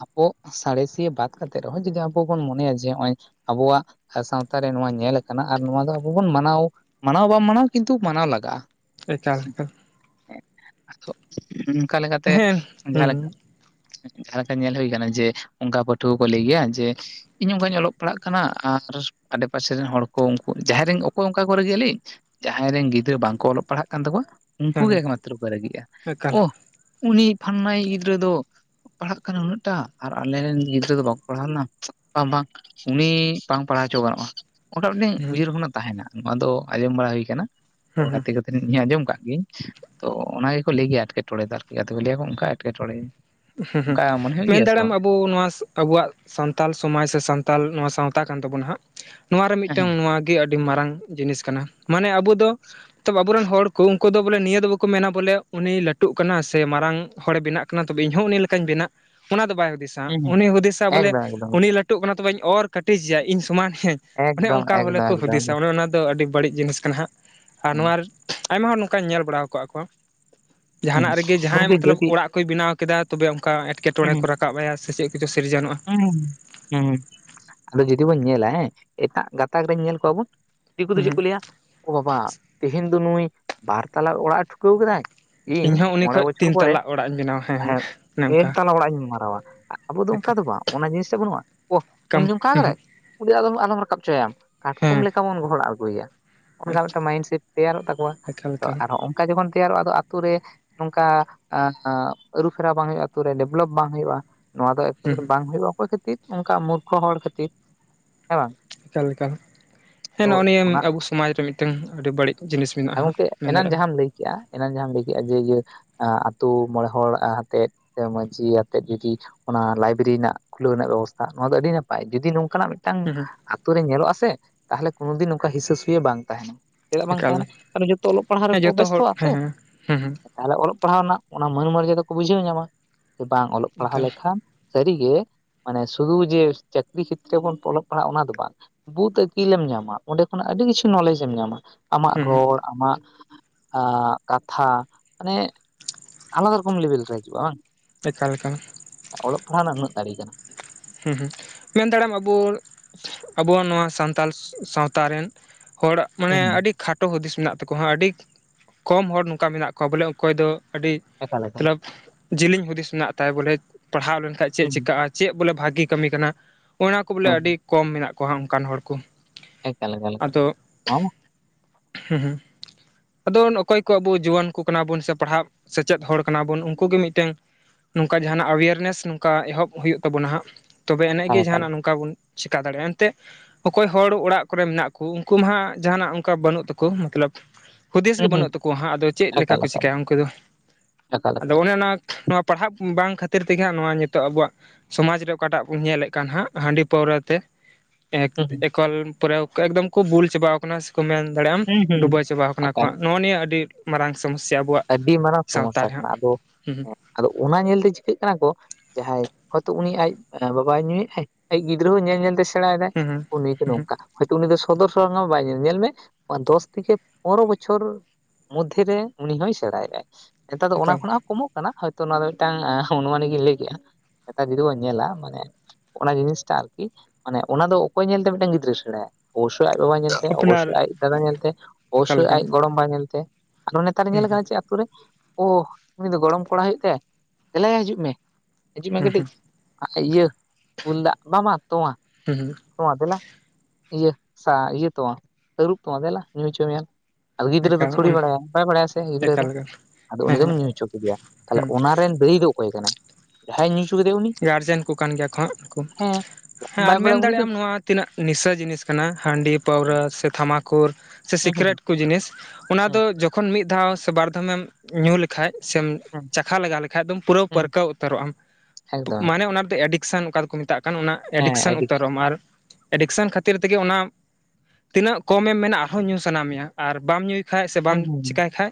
Speaker 2: ᱟᱵᱚ ᱥᱟᱬᱮᱥᱤᱭᱟᱹ ᱵᱟᱫ ᱠᱟᱛᱮ ᱨᱮᱦᱚᱸ ᱡᱩᱫᱤ ᱟᱵᱚ ᱵᱚᱱ ᱢᱚᱱᱮᱭᱟ ᱡᱮ ᱚᱸᱭ ᱟᱵᱚᱣᱟᱜ ᱥᱟᱶᱛᱟ ᱨᱮ ᱱᱚᱣᱟ ᱧᱮᱞ ᱠᱟᱱᱟ ᱟᱨ ᱱᱚᱣᱟ ᱫᱚ ᱟᱵᱚ ᱵᱚᱱ ᱢᱟᱱᱟᱣ ᱢᱟᱱᱟᱣ ᱵᱟᱢ ᱢᱟᱱᱟᱣ ᱠᱤᱱᱛᱩ ᱢᱟᱱᱟᱣ ᱞᱟᱜᱟᱜ-ᱟ᱾
Speaker 1: ᱮᱠᱟᱞ ᱮᱠᱟᱞ
Speaker 2: [unintelligible] ᱚᱱᱠᱟ ᱞᱮᱠᱟᱛᱮ
Speaker 1: ᱦᱮᱸ
Speaker 2: ᱡᱟᱦᱟᱸ
Speaker 1: ᱦᱩᱸ
Speaker 2: ᱞᱮᱠᱟ ᱡᱟᱦᱟᱸᱞᱮᱠᱟ ᱧᱮᱞ ᱦᱩᱭ ᱠᱟᱱᱟ ᱡᱮ ᱚᱱᱠᱟ ᱯᱟᱹᱴᱷᱩᱣᱟᱹ ᱠᱚ ᱞᱟᱹᱭ ᱜᱮᱭᱟ ᱡᱮ ᱤᱧ ᱚᱱᱠᱟᱧ ᱚᱞᱚᱜ ᱯᱟᱲᱦᱟᱜ ᱠᱟᱱᱟ ᱟᱸ [unintelligible] ᱟᱰᱮ ᱯᱟᱥᱮ ᱨᱮᱱ ᱦᱚᱲ ᱠᱚ ᱩᱱᱠᱩ ᱡᱟᱦᱟᱸᱭ ᱨᱮᱱ ᱚᱠᱚᱭ ᱚᱱᱠᱟ ᱠᱚ ᱨᱟᱹᱜᱤᱜ-ᱟ ᱞᱟᱹᱭ ᱤᱧ ᱡᱟᱦᱟᱸᱭ ᱨᱮᱱ ᱜᱤᱫᱽᱨᱟᱹ ᱵᱟᱝᱠᱚ ᱚᱞᱚᱜ ᱯᱟᱲᱦᱟᱜ ᱠᱟᱱ ᱛᱟᱠᱚᱣᱟ ᱩᱱᱠᱩ
Speaker 1: ᱦᱮᱸ
Speaker 2: ᱜᱮ
Speaker 1: ᱦᱮᱸ
Speaker 2: ᱮᱠᱢᱟᱛᱨᱚ ᱠᱚ ᱨᱟᱹᱜᱤᱜ-ᱟ
Speaker 1: ᱮᱠᱟᱞ
Speaker 2: ᱚᱦ ᱩᱱᱤ ᱯᱷᱟᱱᱱᱟᱭᱤᱡ ᱜᱤᱫᱽᱨᱟᱹ ᱫᱚ ᱯᱟᱲᱦᱟᱜ ᱠᱟᱱᱟ ᱩᱱᱟᱹᱜ ᱴᱟ ᱟᱨ ᱟᱞᱮᱨᱮᱱ ᱜᱤᱫᱽᱨᱟᱹ ᱫᱚ ᱵᱟᱠᱚ ᱯᱟᱲᱦᱟᱣ ᱞᱮᱱᱟ ᱵᱟᱝ ᱵᱟᱝ ᱩᱱᱤ ᱵᱟᱝ ᱯᱟᱲᱦᱟᱜ [unintelligible] ᱜᱟᱱᱚᱜᱼᱟ᱾ ᱚᱰᱟ ᱚᱰᱤᱧ
Speaker 1: ᱦᱩᱸ
Speaker 2: ᱩᱭᱦᱟᱹᱨ ᱠᱷᱚᱱᱟᱜ ᱛᱟᱦᱮᱱᱟ ᱱᱚᱣᱟ ᱫᱚ ᱟᱸᱡᱚᱢ ᱵᱟᱲᱟ ᱦᱩᱭ ᱟᱠᱟᱱᱟ
Speaker 1: ᱦᱩᱸ ᱦᱩᱸ
Speaker 2: ᱜᱟᱛᱮ ᱠᱚᱛᱮᱱ ᱤᱧ ᱦᱚᱸ ᱟᱸᱡᱚᱢ ᱠᱟᱜ-ᱟ ᱜᱤᱭᱤᱞ ᱛᱚ ᱚᱱᱟ ᱜᱮᱠᱚ ᱞᱟᱹᱭ ᱜᱮᱭᱟ ᱮᱴᱠᱮᱴᱚᱬᱮ ᱫᱚ ᱟᱨᱠᱤ ᱟᱫᱚ ᱞᱟᱹᱭ ᱟᱠᱚ ᱚᱱᱠᱟ ᱮᱴᱠᱮᱴᱚᱬᱮ
Speaker 1: ᱦᱩᱸ ᱦᱩᱸ
Speaker 2: ᱚᱱᱠᱟ ᱢᱚᱱᱮ ᱦᱩᱭᱩᱜ ᱜᱮᱭᱟ ᱥᱮ
Speaker 1: ᱢᱮᱱᱫᱟᱲᱮᱭᱟᱢ
Speaker 2: ᱵᱟᱝ
Speaker 1: ᱟᱵᱚ ᱱᱚᱣᱟ ᱟᱵᱩᱣᱟᱜ ᱥᱟᱱᱛᱟᱞ ᱥᱚᱢᱟᱡᱽ ᱥᱮ ᱥᱟᱱᱛᱟᱞ ᱱᱚᱣᱟ ᱥᱟᱶ ᱛᱟ ᱠᱟᱱ ᱛᱟᱵᱚᱱᱟ ᱦᱟᱸᱜ ᱱᱚᱣᱟ ᱨᱮ
Speaker 2: ᱦᱮᱸ
Speaker 1: ᱢᱤᱫᱴᱟᱝ
Speaker 2: ᱦᱮᱸ
Speaker 1: ᱱᱚᱣᱟᱜᱮ ᱟᱹᱰᱤ ᱢᱟᱨᱟᱝ ᱡᱤᱱᱤᱥ ᱠᱟᱱᱟ ᱢᱟᱱᱮ ᱟᱵᱚ ᱫᱚ ᱛᱚᱵ ᱟᱵᱚᱨᱮᱱ ᱦᱚᱲ ᱠᱚ ᱩᱱᱠᱩ ᱫᱚ ᱵᱚᱞᱮ ᱱᱤᱭᱟᱹ ᱫᱚ ᱵᱟᱠᱚ ᱢᱮᱱᱟ ᱵᱚᱞᱮ ᱩᱱᱤ ᱞᱟᱹᱴᱩᱜ ᱠᱟᱱᱟ ᱥᱮ ᱢᱟᱨᱟᱝ ᱦᱚᱲᱮ ᱵᱮᱱᱟᱜ ᱠᱟᱱᱟ ᱛᱚᱵᱮ ᱤᱧᱦᱚᱸ ᱩᱱᱤ ᱞᱮᱠᱟᱧ ᱵᱮᱱᱟᱜ ᱚᱱᱟ ᱫᱚ ᱵᱟᱭ ᱦᱩᱫᱤᱥᱟᱦᱟᱸᱜ
Speaker 2: ᱦᱩᱸ ᱦᱩᱸ
Speaker 1: ᱩᱱᱤ ᱦᱩᱫᱤᱥᱟ ᱵᱚᱞᱮ
Speaker 2: ᱮᱠᱫᱚᱢ ᱮᱠᱫᱚᱢ
Speaker 1: ᱩᱱᱤ ᱞᱟᱹᱴᱩᱜ ᱠᱟᱱᱟ ᱛᱚᱵᱮᱹᱧ ᱚᱨ ᱠᱟᱹᱴᱤᱡᱮᱭᱟ ᱤᱧ ᱥᱚᱢᱟᱱᱮᱭᱤᱭᱟᱹᱧ ᱚᱱᱮ
Speaker 2: ᱮᱠᱫᱚᱢ
Speaker 1: ᱚᱱᱠᱟ
Speaker 2: ᱮᱠᱫᱚᱢ
Speaker 1: ᱵᱚᱞᱮ ᱠᱚ
Speaker 2: ᱮᱠᱫᱚᱢ
Speaker 1: ᱦᱩᱫᱤᱥᱟ ᱚᱱᱮ ᱚᱱᱟᱫᱚ ᱟᱹᱰᱤ ᱵᱟᱹᱲᱤᱡ ᱡᱤᱱᱤᱥ ᱠᱟᱱᱟ ᱦᱟᱸᱜ ᱟᱨ
Speaker 2: ᱦᱮᱸ
Speaker 1: ᱱᱚᱣᱟ ᱟᱭᱢᱟ ᱦᱚᱲ ᱱᱚᱝᱠᱟᱧ ᱧᱮᱞ ᱵᱟᱲᱟ ᱠᱟᱜ ᱠᱚᱣᱟ ᱡᱟᱦᱟᱱᱟᱜ ᱨᱮᱜᱮ ᱡᱟᱦᱟᱸᱭ
Speaker 2: ᱜᱚᱢᱠᱮ
Speaker 1: ᱢᱚᱛᱞᱚᱵ
Speaker 2: ᱡᱩᱫᱤ
Speaker 1: ᱚᱲᱟᱜ ᱠᱚᱭ ᱵᱮᱱᱟᱣ ᱠᱮᱫᱟ ᱛᱚᱵᱮ ᱚᱱᱠᱟ
Speaker 2: ᱦᱩᱸ
Speaker 1: ᱮᱴᱠᱮᱴᱚᱬᱮ ᱠᱚ
Speaker 2: ᱦᱩᱸ
Speaker 1: ᱨᱟᱠᱟᱵ ᱮᱭᱟ ᱥᱮ ᱪᱮᱫ ᱠᱚᱪᱚ ᱥᱤᱨᱡᱚᱱᱚᱜᱼᱟ
Speaker 2: ᱦᱩᱸ ᱦᱩᱸ ᱟᱫᱚ ᱡᱩᱫᱤ ᱵᱚᱱ ᱧᱮᱞᱟ ᱦᱮᱸ ᱮᱴᱟᱜ ᱜᱟᱛᱟᱠ ᱨᱤᱱ ᱧᱮᱞ ᱠᱚᱣᱟ ᱵᱚᱱ ᱫᱤᱠᱩ ᱫᱚ ᱪᱮᱫ
Speaker 1: ᱦᱩᱸ
Speaker 2: ᱠᱚ ᱞᱟᱹᱭᱟ ᱳ ᱵᱟᱵᱟ ᱛᱮᱦᱮᱧ ᱫᱚ ᱱᱩᱭ ᱵᱟᱨ ᱛᱟᱞᱟ ᱚᱲᱟᱜ ᱮ ᱴᱷᱩᱠᱟᱹᱣ ᱟᱠᱟᱫᱟᱭ᱾ ᱤᱧ
Speaker 1: ᱤᱧᱦᱚᱸ ᱩᱱᱤ
Speaker 2: ᱢᱚᱬᱮ
Speaker 1: ᱠᱷᱚᱡ
Speaker 2: ᱵᱚᱪᱷᱚᱨ
Speaker 1: ᱛᱤᱱ
Speaker 2: ᱯᱚᱨᱮ
Speaker 1: ᱛᱟᱞᱟ ᱚᱲᱟᱜ ᱤᱧ ᱵᱮᱱᱟᱣᱟ
Speaker 2: ᱦᱮᱸ
Speaker 1: ᱚᱱᱮ
Speaker 2: ᱮᱠ
Speaker 1: ᱚᱱᱠᱟ
Speaker 2: ᱛᱟᱞᱟ ᱚᱲᱟᱜ ᱤᱧ ᱢᱟᱨᱟᱣᱟ ᱟᱵᱚ ᱫᱚ
Speaker 1: ᱮᱠᱟᱞ
Speaker 2: ᱚᱱᱠᱟ ᱫᱚ ᱵᱟᱝ ᱚᱱᱟ ᱡᱤᱱᱤᱥ ᱴᱟᱜ ᱵᱟᱹᱱᱩᱜᱼᱟ ᱩᱱᱤ
Speaker 1: ᱠᱟᱢ
Speaker 2: ᱱᱚᱝᱠᱟ
Speaker 1: ᱦᱩᱸ
Speaker 2: ᱠᱟᱫᱟᱭ ᱩᱱᱤ ᱟᱫᱚ ᱟᱞᱚᱢ ᱨᱟᱠᱟᱵ ᱪᱚᱣᱟᱭᱟ ᱠᱟᱴᱠᱚᱢ
Speaker 1: ᱦᱮᱸ
Speaker 2: ᱞᱮᱠᱟ ᱵᱚᱱ ᱜᱚᱦᱚᱲ ᱟᱲᱜᱳᱭ ᱭᱟ ᱚᱱᱠᱟ ᱢᱤᱫᱴᱟᱝ ᱢᱟᱭᱤᱱᱰᱥᱮᱴ ᱛᱮᱭᱟᱨᱚᱜ ᱛᱟᱠᱚᱣᱟ
Speaker 1: ᱮᱠᱟᱞ
Speaker 2: ᱛᱚ
Speaker 1: ᱮᱠᱟᱞ
Speaker 2: ᱟᱨᱦᱚᱸ ᱚᱱᱠᱟ ᱡᱚᱠᱷᱚᱱ ᱛᱮᱭᱟᱨᱚᱜᱼᱟ ᱟᱛᱩ ᱨᱮ ᱱᱚᱝᱠᱟ ᱟ ᱟᱹᱨᱩ ᱯᱷᱮᱨᱟᱣ ᱵᱟᱝ ᱦᱩᱭᱩᱜᱼᱟ ᱟᱛᱩ ᱨᱮ ᱰᱮᱵᱷᱞᱚᱯ ᱵᱟᱝ ᱦᱩᱭᱩᱜᱼᱟ ᱱᱚᱣᱟ ᱫᱚ
Speaker 1: ᱦᱩᱸ ᱦᱩᱸ
Speaker 2: ᱵᱟᱝ ᱦᱩᱭᱩᱜᱼᱟ ᱚᱠᱚᱭ ᱠᱷᱟᱹᱛᱤᱨ ᱚᱱᱠᱟ ᱢᱩᱨᱠᱷᱚ ᱦᱚᱲ ᱠᱷᱟᱹᱛᱤᱨ ᱦᱮᱸ ᱵᱟᱝ
Speaker 1: ᱮᱠᱟᱞ ᱮᱠᱟᱞ ᱦᱮᱸ
Speaker 2: ᱟᱫᱚ
Speaker 1: ᱱᱚᱜᱼᱚ ᱱᱤᱭᱟᱹ ᱟᱵᱚ ᱥᱚᱢᱟᱡᱽ ᱨᱮ ᱢᱤᱫᱴᱮᱱ ᱟᱹᱰᱤ ᱵᱟᱹᱲᱤᱡ ᱡᱤᱱᱤᱥ ᱢᱮᱱᱟᱜᱼᱟ ᱦᱟᱸᱜ
Speaker 2: ᱜᱚᱢᱠᱮ
Speaker 1: ᱢᱮᱱ
Speaker 2: ᱮᱱᱟᱱ
Speaker 1: ᱫᱟᱲᱮᱭᱟᱜᱼᱟᱢ
Speaker 2: ᱡᱟᱦᱟᱸᱟᱢ ᱞᱟᱹᱭ ᱠᱮᱜᱼᱟ ᱮᱱᱟᱝ ᱡᱟᱦᱟᱸᱢ ᱞᱟᱹᱭ ᱠᱮᱫᱼᱟ ᱡᱮ ᱤᱭᱟᱹ ᱟᱛᱳ ᱢᱚᱬᱮ ᱦᱚᱲ ᱦᱟᱛᱮᱜ ᱢᱟᱺᱡᱷᱤ ᱟᱛᱮᱜ ᱡᱩᱫᱤ ᱚᱱᱟ ᱞᱟᱭᱵᱨᱮᱨᱤ ᱨᱮᱱᱟᱜ ᱠᱷᱩᱞᱟᱹᱣ ᱨᱮᱱᱟᱜ ᱵᱮᱵᱚᱥᱛᱷᱟ ᱱᱚᱣᱟ ᱫᱚ ᱟᱹᱰᱤ ᱱᱟᱯᱟᱭ ᱡᱩᱫᱤ ᱱᱚᱝᱠᱟᱼᱼ ᱚᱱᱠᱟᱱᱟᱜ ᱢᱤᱫᱴᱟᱝ
Speaker 1: ᱦᱩᱸ ᱦᱩᱸ
Speaker 2: ᱟᱛᱳ ᱨᱮ ᱧᱮᱞᱚᱜ ᱟ ᱥᱮ ᱛᱟᱦᱟᱞᱮ ᱠᱳᱱᱳ ᱫᱤᱱ ᱚᱱᱠᱟ ᱦᱤᱥᱟᱹ ᱥᱩᱭᱟᱹ ᱵᱟᱝ ᱛᱟᱦᱮᱱᱟ ᱪᱮᱫᱟᱜ ᱵᱟᱝ
Speaker 1: ᱮᱠᱟᱞ
Speaker 2: ᱛᱟᱦᱮᱱᱟ ᱟᱫᱚ ᱡᱚᱛᱚ ᱚᱞᱚᱜ ᱯᱟᱲᱦᱟᱜ
Speaker 1: ᱦᱮᱸ
Speaker 2: ᱨᱮᱠᱚ
Speaker 1: ᱡᱚᱛᱚ ᱦᱚᱲ
Speaker 2: ᱵᱮᱥᱛᱚᱜᱼᱟ ᱥᱮ
Speaker 1: ᱦᱮᱸ ᱦᱮᱸ ᱦᱩᱸ ᱦᱩᱸ
Speaker 2: ᱛᱟᱦᱞᱮ ᱚᱞᱚᱜ ᱯᱟᱲᱦᱟᱣ ᱱᱟᱜ ᱚᱱᱟ ᱢᱟᱹᱱ ᱢᱚᱨᱡᱟᱫᱟ ᱠᱚ ᱵᱩᱡᱷᱟᱹᱣ ᱧᱟᱢᱟ ᱵᱟᱝ ᱚᱞᱚᱜ ᱯᱟᱲᱦᱟᱣ
Speaker 1: ᱮᱠᱟᱞ
Speaker 2: ᱞᱮᱠᱷᱟᱱ ᱥᱟᱹᱨᱤᱜᱮ ᱢᱟᱱᱮ ᱥᱩᱫᱷᱩ ᱡᱮ ᱪᱟᱹᱠᱨᱤ ᱠᱷᱮᱛᱨᱮ ᱵᱚᱱ ᱚᱞᱚᱜ ᱯᱟᱲᱦᱟᱜ ᱚᱱᱟ ᱫᱚ ᱵᱟᱝ ᱵᱩᱫ ᱟᱹᱠᱤᱞᱮᱢ ᱧᱟᱢᱟ ᱚᱸᱰᱮ ᱠᱷᱚᱱᱟᱜ ᱟᱹᱰᱤ ᱠᱤᱪᱷᱩ ᱱᱚᱞᱮᱡᱽ ᱮᱢ ᱧᱟᱢᱟ ᱟᱢᱟᱜ
Speaker 1: ᱦᱩᱸ ᱦᱩᱸ
Speaker 2: ᱨᱚᱲ ᱟᱢᱟᱜ ᱟᱜ ᱠᱟᱛᱷᱟ ᱢᱟᱱᱮ ᱟᱞᱟᱫᱟ ᱨᱚᱠᱚᱢ ᱞᱮᱵᱮᱞ ᱨᱮ ᱦᱤᱡᱩᱜᱼᱟ ᱵᱟᱝ
Speaker 1: ᱮᱠᱟᱞ ᱮᱠᱟᱞ
Speaker 2: ᱚᱞᱚᱜ ᱯᱟᱲᱦᱟᱜ ᱨᱮᱱᱟᱜ ᱩᱱᱟᱹᱜ ᱫᱟᱲᱮ ᱠᱟᱱᱟ
Speaker 1: ᱦᱩᱸ ᱦᱩᱸ ᱢᱮᱱ ᱫᱟᱲᱟᱢ ᱟᱵᱚᱞ ᱟᱵᱚᱣᱟᱜ ᱱᱚᱣᱟ ᱥᱟᱱᱛᱟᱞ ᱥᱟᱶᱛᱟ ᱨᱮᱱ ᱦᱚᱲᱟᱜ ᱢᱟᱱᱮ
Speaker 2: ᱦᱩᱸ ᱦᱩᱸ
Speaker 1: ᱟᱹᱰᱤ ᱠᱷᱟᱴᱚ ᱦᱩᱫᱤᱥ ᱢᱮᱱᱟᱜ ᱛᱟᱠᱚᱣᱟ ᱟᱹᱰᱤ ᱠᱚᱢ ᱦᱚᱲ ᱱᱚᱝᱠᱟ ᱢᱮᱱᱟᱜ ᱠᱚᱣᱟ ᱵᱚᱞᱮ ᱚᱠᱚᱭ ᱫᱚ ᱟᱹᱰᱤ
Speaker 2: ᱮᱠᱟᱞ ᱮᱠᱟᱞ
Speaker 1: ᱢᱚᱛᱞᱚᱵ ᱡᱮᱞᱮᱧ ᱦᱩᱫᱤᱥ ᱢᱮᱱᱟᱜ ᱛᱟᱭ ᱵᱚᱞᱮ ᱯᱟᱲᱦᱟᱣ ᱞᱮᱱᱠᱷᱟᱱᱡ ᱪᱮᱫ
Speaker 2: ᱦᱩᱸ ᱦᱩᱸ
Speaker 1: ᱪᱤᱠᱟᱹᱜᱼᱟ ᱪᱮᱫ ᱵᱚᱞᱮ ᱵᱷᱟᱜᱮ ᱠᱟᱹᱢᱤ ᱠᱟᱱᱟ ᱚᱱᱟ ᱠᱚ ᱵᱚᱞᱮ
Speaker 2: ᱦᱩᱸ
Speaker 1: ᱟᱹᱰᱤ
Speaker 2: ᱦᱩᱸ
Speaker 1: ᱠᱚᱢ ᱢᱮᱱᱟᱜ ᱠᱚᱣᱟ ᱚᱱᱠᱟᱱ ᱦᱚᱲ ᱠᱚ
Speaker 2: ᱮᱠᱟᱞ ᱮᱠᱟᱞ
Speaker 1: ᱟᱫᱚ
Speaker 2: [unintelligible]
Speaker 1: ᱦᱩᱸ ᱦᱩᱸ ᱟᱫᱚ ᱱᱚᱠᱚᱭ ᱠᱚ ᱟᱵᱚ ᱡᱩᱣᱟᱹᱱ ᱠᱚ ᱠᱟᱱᱟᱵᱚᱱ ᱥᱮ ᱯᱟᱲᱦᱟᱣ ᱥᱮᱪᱮᱫ ᱦᱚᱲ ᱠᱟᱱᱟ ᱵᱚᱱ ᱩᱱᱠᱩ ᱜᱮ ᱢᱤᱫᱴᱟᱹᱝ ᱱᱚᱝᱠᱟ ᱡᱟᱦᱱᱟᱜ ᱮᱣᱮᱨᱱᱮᱥ ᱱᱚᱝᱠᱟ ᱮᱦᱚᱵ ᱦᱩᱭᱩᱜ ᱛᱟᱵᱚᱱᱟ ᱦᱟᱸᱜ ᱛᱚᱵᱮ ᱮᱱᱮ
Speaker 2: ᱮᱠᱟᱞ
Speaker 1: ᱜᱮ
Speaker 2: ᱮᱠᱟᱞ
Speaker 1: ᱡᱟᱦᱟᱱᱟᱜ ᱱᱚᱝᱠᱟ ᱵᱚᱱ ᱪᱮᱠᱟ ᱫᱟᱲᱮᱭᱟᱜᱼᱟ ᱮᱱᱛᱮᱜ ᱚᱠᱚᱭ ᱦᱚᱲ ᱚᱲᱟᱜ ᱠᱚᱨᱮ ᱢᱮᱱᱟᱜ ᱠᱚ ᱩᱱᱠᱩ ᱢᱟ ᱦᱟᱸᱜ ᱡᱟᱦᱟᱱᱟᱜ ᱚᱱᱠᱟ ᱵᱟᱹᱱᱩᱜ ᱛᱟᱠᱚ ᱢᱚᱛᱞᱚᱵ
Speaker 2: [inaudible]
Speaker 1: ᱦᱩᱫᱤᱥ ᱜᱮ
Speaker 2: ᱦᱩᱸ
Speaker 1: ᱵᱟᱹᱱᱩᱜ ᱛᱟᱠᱚᱣᱟ ᱦᱟᱸᱜ ᱟᱫᱚ ᱪᱮᱫ
Speaker 2: ᱮᱠᱟᱞ
Speaker 1: ᱞᱮᱠᱟ ᱠᱚ
Speaker 2: ᱮᱠᱟᱞ
Speaker 1: ᱪᱤᱠᱟᱹᱭᱟ ᱩᱱᱠᱩ ᱫᱚ
Speaker 2: ᱮᱠᱟᱞ
Speaker 1: ᱟᱫᱚ
Speaker 2: ᱮᱠᱟᱞ
Speaker 1: ᱚᱱᱮ ᱚᱱᱟ ᱱᱚᱣᱟ ᱯᱟᱲᱦᱟᱜ ᱵᱟᱝ ᱠᱷᱟᱹᱛᱤᱨ ᱛᱮᱜᱮ ᱦᱟᱸᱜ ᱱᱚᱣᱟ ᱱᱤᱛᱚᱜ ᱟᱵᱚᱣᱟᱜ ᱥᱚᱢᱟᱡᱽ ᱨᱮ ᱚᱠᱟᱴᱟᱜ ᱵᱚᱱ ᱧᱮᱞᱮᱫ ᱠᱟᱱ ᱦᱟᱸᱜ ᱦᱟᱺᱰᱤ ᱯᱟᱹᱣᱨᱟᱹ ᱛᱮ ᱮᱠ
Speaker 2: ᱦᱩᱸ ᱦᱩᱸ
Speaker 1: ᱮᱠᱟᱞ ᱛᱯᱚᱨᱮ ᱮᱠᱫᱚᱢ ᱠᱚ ᱵᱩᱞ ᱪᱟᱵᱟᱣ ᱟᱠᱟᱱᱟ ᱥᱮᱠᱚ ᱢᱮᱱ ᱫᱟᱲᱮᱭᱟᱢ
Speaker 2: ᱦᱩᱸ ᱦᱩᱸ
Speaker 1: ᱰᱩᱵᱟᱹᱣ ᱪᱟᱵᱟᱣ ᱟᱠᱟᱱᱟ
Speaker 2: ᱮᱠᱟᱞ
Speaker 1: ᱦᱟᱸᱜ ᱱᱚᱜᱼᱚ ᱱᱤᱭᱟᱹ ᱟᱹᱰᱤ ᱢᱟᱨᱟᱝ ᱥᱚᱢᱚᱥᱥᱟ ᱟᱵᱚᱣᱟᱜ
Speaker 2: ᱟᱹᱰᱤ ᱢᱟᱨᱟᱝ
Speaker 1: ᱥᱟᱶᱛᱟ
Speaker 2: ᱥᱚᱢᱚᱥᱥᱟ
Speaker 1: ᱨᱮ
Speaker 2: ᱠᱟᱱᱟ
Speaker 1: ᱦᱟᱸᱜ
Speaker 2: ᱟᱫᱚ
Speaker 1: ᱦᱩᱸ
Speaker 2: ᱟᱫᱚ ᱚᱱᱟ ᱧᱮᱞᱛᱮ ᱪᱤᱠᱟᱹᱜ ᱠᱟᱱᱟ ᱠᱚ ᱡᱟᱦᱟᱸᱭ ᱦᱚᱭᱛᱳ ᱩᱱᱤ ᱟᱡ ᱵᱟᱵᱟᱭ ᱧᱩᱭᱮᱫ ᱟᱡ [unintelligible] ᱜᱤᱫᱽᱨᱟᱹ ᱦᱚᱸ ᱧᱮᱞ ᱧᱮᱞ ᱛᱮ ᱥᱮᱲᱟᱭ ᱫᱟᱭ
Speaker 1: ᱦᱩᱸ ᱦᱩᱸ
Speaker 2: ᱩᱱᱤ ᱫᱚ
Speaker 1: ᱦᱩᱸ
Speaker 2: ᱱᱚᱝᱠᱟ ᱦᱚᱭᱛᱚ ᱩᱱᱤ ᱫᱚ ᱥᱚᱫᱚᱨ ᱥᱟᱢᱟᱝ ᱵᱟᱭ ᱧᱮᱞ [unintelligible] ᱧᱮᱞ ᱢᱮ ᱱᱚᱣᱟ ᱫᱚᱥ ᱛᱷᱮᱠᱮ ᱯᱚᱱᱨᱚ ᱵᱚᱪᱷᱚᱨ ᱢᱚᱫᱽᱫᱷᱮ ᱨᱮ ᱩᱱᱤ ᱦᱚᱸᱭ ᱥᱮᱬᱟᱭᱮᱫ ᱟᱭ ᱱᱮᱛᱟᱨ ᱫᱚ ᱚᱱᱟ
Speaker 1: ᱮᱠᱟᱞ
Speaker 2: ᱠᱷᱚᱱᱟᱜ ᱦᱚᱸ ᱠᱚᱢᱚᱜ ᱠᱟᱱᱟ ᱛᱚ ᱱᱚᱣᱟ ᱫᱚ ᱢᱤᱫᱴᱟᱝ ᱚᱱᱩᱢᱟᱱᱤᱜᱽ ᱤᱧ ᱞᱟᱹᱭ ᱠᱮᱫᱼᱟ ᱱᱮᱛᱟᱨ ᱡᱩᱫᱤ ᱵᱚᱱ ᱧᱮᱞᱟ ᱢᱟᱱᱮ ᱚᱱᱟ ᱡᱤᱱᱤᱥ ᱴᱟᱜ ᱟᱨᱠᱤ ᱢᱟᱱᱮ ᱚᱱᱟ ᱫᱚ ᱚᱠᱚᱭ ᱧᱮᱞ ᱛᱮ ᱢᱤᱫᱴᱟᱱ ᱜᱤᱫᱽᱨᱟᱹᱭ ᱥᱮᱬᱟᱭᱟ ᱚᱵᱚᱥᱥᱳᱭ ᱟᱡ ᱵᱟᱵᱟ ᱧᱮᱞᱛᱮ
Speaker 1: ᱟᱯᱱᱟᱨ
Speaker 2: ᱚᱵᱚᱥᱥᱳᱭ ᱟᱡ ᱫᱟᱫᱟ ᱧᱮᱞᱛᱮ
Speaker 1: ᱮᱠᱟᱞ
Speaker 2: ᱚᱵᱚᱥᱥᱳᱭ ᱟᱡ
Speaker 1: ᱮᱠᱟᱞ
Speaker 2: ᱜᱚᱲᱚᱢ ᱵᱟ ᱧᱮᱞᱛᱮ [unintelligible]
Speaker 1: ᱦᱩᱸ
Speaker 2: ᱧᱮᱞ ᱠᱟᱱᱟ ᱪᱮᱫ ᱟᱛᱩ ᱨᱮ ᱳᱷ ᱩᱱᱤ ᱫᱚ ᱜᱚᱲᱚᱢ ᱠᱚᱲᱟ ᱦᱩᱭᱩᱜ ᱛᱟᱭᱟᱭ ᱫᱮᱞᱟᱭ ᱦᱤᱡᱩᱜ ᱢᱮ ᱦᱤᱡᱩᱜ ᱢᱮ
Speaker 1: ᱦᱩᱸ ᱦᱩᱸ
Speaker 2: ᱠᱟᱹᱴᱤᱡ ᱤᱭᱟᱹ ᱛᱩᱞ ᱫᱟᱜ ᱵᱟᱝ ᱵᱟᱝ ᱛᱚᱣᱟ
Speaker 1: ᱦᱩᱸ
Speaker 2: ᱛᱚᱣᱟ ᱫᱮᱞᱟ ᱤᱭᱟᱹ ᱥᱟ ᱤᱭᱟᱹ ᱛᱚᱣᱟ ᱛᱟᱹᱨᱩᱵ ᱛᱚᱣᱟ ᱫᱮᱞᱟ ᱧᱩ ᱦᱚᱪᱚ ᱢᱮᱭᱟᱞᱟᱝ ᱟᱫᱚ ᱜᱤᱫᱽᱨᱟᱹ ᱫᱚ
Speaker 1: ᱮᱠᱟᱞ
Speaker 2: ᱛᱷᱚᱲᱤ
Speaker 1: ᱚᱱ
Speaker 2: ᱵᱟᱲᱟᱭᱟᱭ ᱟᱭ ᱵᱟᱲᱟᱭᱟ ᱥᱮ ᱜᱤᱫᱽᱨᱟᱹ
Speaker 1: ᱮᱠᱟᱞ
Speaker 2: ᱫᱚ
Speaker 1: ᱮᱠᱟᱞ
Speaker 2: ᱟᱫᱚ
Speaker 1: ᱦᱮᱸ
Speaker 2: ᱩᱱᱤ ᱫᱚᱢ
Speaker 1: ᱦᱮᱸ
Speaker 2: ᱧᱩ ᱦᱚᱪᱚ ᱠᱮᱫᱮᱭᱟ ᱛᱟᱦᱚᱞᱮ
Speaker 1: ᱦᱩᱸ
Speaker 2: ᱚᱱᱟ ᱨᱮᱱ ᱫᱟᱹᱭᱤ ᱫᱚ ᱚᱠᱚᱭ ᱠᱟᱱᱟ [unintelligible]
Speaker 1: ᱜᱟᱨᱡᱮᱱ ᱠᱩ ᱠᱟᱱ ᱜᱮᱭᱟ ᱠᱚ ᱦᱟᱸᱜ ᱩᱱᱠᱩ
Speaker 2: ᱦᱮᱸ ᱡᱟᱦᱟᱸᱭ
Speaker 1: ᱦᱮᱸ ᱟᱨ
Speaker 2: ᱵᱟᱭ ᱵᱟᱲᱟᱭᱟ
Speaker 1: ᱢᱮᱱ
Speaker 2: ᱩᱱᱤ
Speaker 1: ᱫᱟᱲᱮᱭᱟᱜ
Speaker 2: ᱫᱚ
Speaker 1: ᱟᱢ ᱱᱚᱣᱟ ᱛᱤᱱᱟᱹᱜ ᱱᱤᱥᱟᱹ ᱡᱤᱱᱤᱥ ᱠᱟᱱᱟ ᱦᱟᱺᱰᱤ ᱯᱟᱹᱣᱨᱟᱹ ᱥᱮ ᱛᱷᱟᱢᱟᱠ ᱠᱩᱨ ᱥᱮ
Speaker 2: ᱦᱩᱸ ᱦᱩᱸ
Speaker 1: ᱥᱤᱠᱨᱮᱴ ᱠᱚ ᱡᱤᱱᱤᱥ ᱚᱱᱟ
Speaker 2: ᱦᱩᱸ
Speaker 1: ᱫᱚ ᱡᱚᱠᱷᱚᱱ ᱢᱤᱫ ᱫᱷᱟᱣ ᱥᱮ ᱵᱟᱨᱫᱷᱟᱢᱮᱢ ᱧᱩ ᱞᱮᱠᱷᱟᱡ ᱥᱮᱢ
Speaker 2: ᱦᱩᱸ
Speaker 1: ᱪᱟᱠᱷᱟ ᱞᱮᱜᱟᱣ ᱞᱮᱠᱷᱟᱡ ᱫᱚᱢ ᱯᱩᱨᱟᱹ
Speaker 2: ᱦᱩᱸ ᱦᱩᱸ
Speaker 1: ᱯᱟᱹᱨᱠᱟᱹᱣ ᱩᱛᱟᱹᱨᱚᱜᱼᱟᱢ
Speaker 2: ᱮᱠᱫᱚᱢ ᱮᱠᱫᱚᱢ
Speaker 1: ᱢᱟᱱᱮ ᱚᱱᱟ ᱫᱚ ᱮᱰᱤ ᱮᱰᱤᱠᱥᱮᱱ ᱚᱠᱟ ᱫᱚᱠᱚ ᱢᱮᱛᱟᱜ ᱠᱟᱱ ᱚᱱᱟ
Speaker 2: ᱦᱮᱸ
Speaker 1: ᱮᱰᱤᱠᱥᱮᱱ
Speaker 2: ᱟᱹᱰᱤ
Speaker 1: ᱩᱛᱟᱹᱨᱚᱢ ᱟᱨ
Speaker 2: ᱦᱩᱸ
Speaker 1: ᱮᱰᱤᱠᱥᱮᱱ ᱠᱷᱟᱹᱛᱤᱨ ᱛᱮᱜᱮ ᱚᱱᱟ ᱛᱤᱱᱟᱹᱜ ᱠᱚᱢᱮᱢ ᱢᱮᱱᱟ ᱟᱨᱦᱚᱸ ᱧᱩ ᱥᱟᱱᱟ ᱢᱮᱭᱟ ᱟᱨ ᱵᱟᱢ ᱧᱩᱭ ᱠᱷᱟᱱ ᱥᱮ ᱵᱟᱢ
Speaker 2: ᱦᱩᱸ ᱦᱩᱸ
Speaker 1: ᱪᱮᱠᱟᱭ ᱠᱷᱟᱡ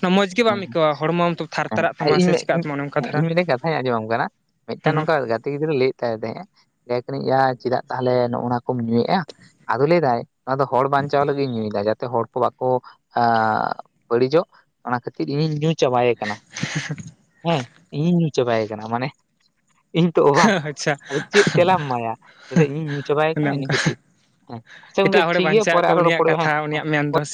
Speaker 1: ᱚᱱᱟ ᱢᱚᱡᱽ ᱜᱮ ᱵᱟᱢ ᱪᱤᱠᱟᱭ ᱠᱷᱟᱡ ᱢᱚᱡ ᱜᱮ
Speaker 2: ᱦᱮᱸ
Speaker 1: ᱵᱟᱢ ᱟᱹᱭᱠᱟᱹᱣᱟ ᱦᱚᱲᱢᱚᱢ ᱛᱷᱟᱨ ᱛᱟᱨᱟᱜ ᱛᱟᱢᱟ ᱥᱮ ᱪᱤᱠᱟᱜ ᱛᱟᱢᱟ ᱚᱱᱮᱚᱱᱠᱟ ᱫᱷᱟᱨᱟ
Speaker 2: ᱢᱤᱫᱴ ᱠᱟᱛᱷᱟᱧ ᱟᱸᱡᱚᱢ ᱠᱟᱱᱟ ᱢᱤᱫᱴᱟᱝ
Speaker 1: ᱦᱩᱸ
Speaker 2: ᱱᱚᱝᱠᱟ
Speaker 1: ᱦᱩᱸ
Speaker 2: ᱜᱟᱛᱮ ᱜᱤᱫᱽᱨᱟᱹ ᱞᱟᱹᱭᱮᱫ ᱛᱟᱦᱮᱸ ᱛᱟᱦᱮᱸᱼᱟ ᱼᱟ ᱪᱮᱫᱟᱜ ᱛᱟᱦᱚᱞᱮ ᱱᱚᱜᱚ ᱱᱚᱣᱟ ᱠᱚᱢ ᱧᱩᱭᱮᱫᱼᱟ ᱟᱫᱚ ᱞᱟᱹᱭ ᱫᱟᱭ ᱚᱱᱟ ᱫᱚ ᱦᱚᱲ ᱵᱟᱧᱪᱟᱣ ᱞᱟᱹᱜᱤᱫ ᱧᱩᱭᱫᱟ ᱡᱟ ᱦᱚᱲ ᱠᱚ ᱵᱟᱠᱚ ᱵᱟᱹᱲᱤᱡᱚᱜ ᱚᱱᱟ ᱠᱷᱟᱹᱛᱤᱨ ᱤᱧᱤᱧ ᱪᱟᱵᱟᱭᱮ ᱠᱟᱱᱟ ᱦᱮᱸ ᱤᱧ ᱪᱟᱵᱟᱭᱮ ᱠᱟᱱᱟ ᱢᱟᱱᱮ ᱤᱧ ᱛᱚ ᱚᱵᱷᱟᱠ
Speaker 1: ᱟᱪᱪᱷᱟ
Speaker 2: ᱟᱫᱚ ᱪᱮᱫ ᱛᱮᱞᱟᱢ ᱮᱢᱟᱭᱟ ᱪᱮᱫᱟᱜ ᱤᱧᱤᱧ ᱧᱩ ᱪᱟᱵᱟᱭᱮ
Speaker 1: ᱚᱱᱮ
Speaker 2: ᱠᱟᱱᱟ ᱤᱱᱟᱹ
Speaker 1: ᱚᱱᱠᱟ
Speaker 2: ᱠᱷᱟᱹᱛᱤᱨ ᱦᱩᱢ ᱟᱪᱪᱷᱟ ᱜᱚᱝᱠᱮ
Speaker 1: ᱮᱴᱟᱜ ᱦᱚᱲᱮ
Speaker 2: ᱴᱷᱤᱠ ᱜᱮᱮᱭᱟ
Speaker 1: ᱵᱟᱧᱪᱟᱜ
Speaker 2: ᱯᱚᱨᱮ
Speaker 1: ᱟᱠᱚ
Speaker 2: ᱟᱨᱚ
Speaker 1: ᱩᱱᱤᱭᱟᱜ
Speaker 2: ᱨᱚᱯᱚᱲᱚᱜᱼᱟ
Speaker 1: ᱠᱟᱛᱷᱟ
Speaker 2: ᱦᱮᱸ ᱦᱮᱸ-
Speaker 1: ᱩᱱᱤᱭᱟᱜ ᱢᱮᱱ ᱫᱚ ᱥᱮ ᱵᱟᱝ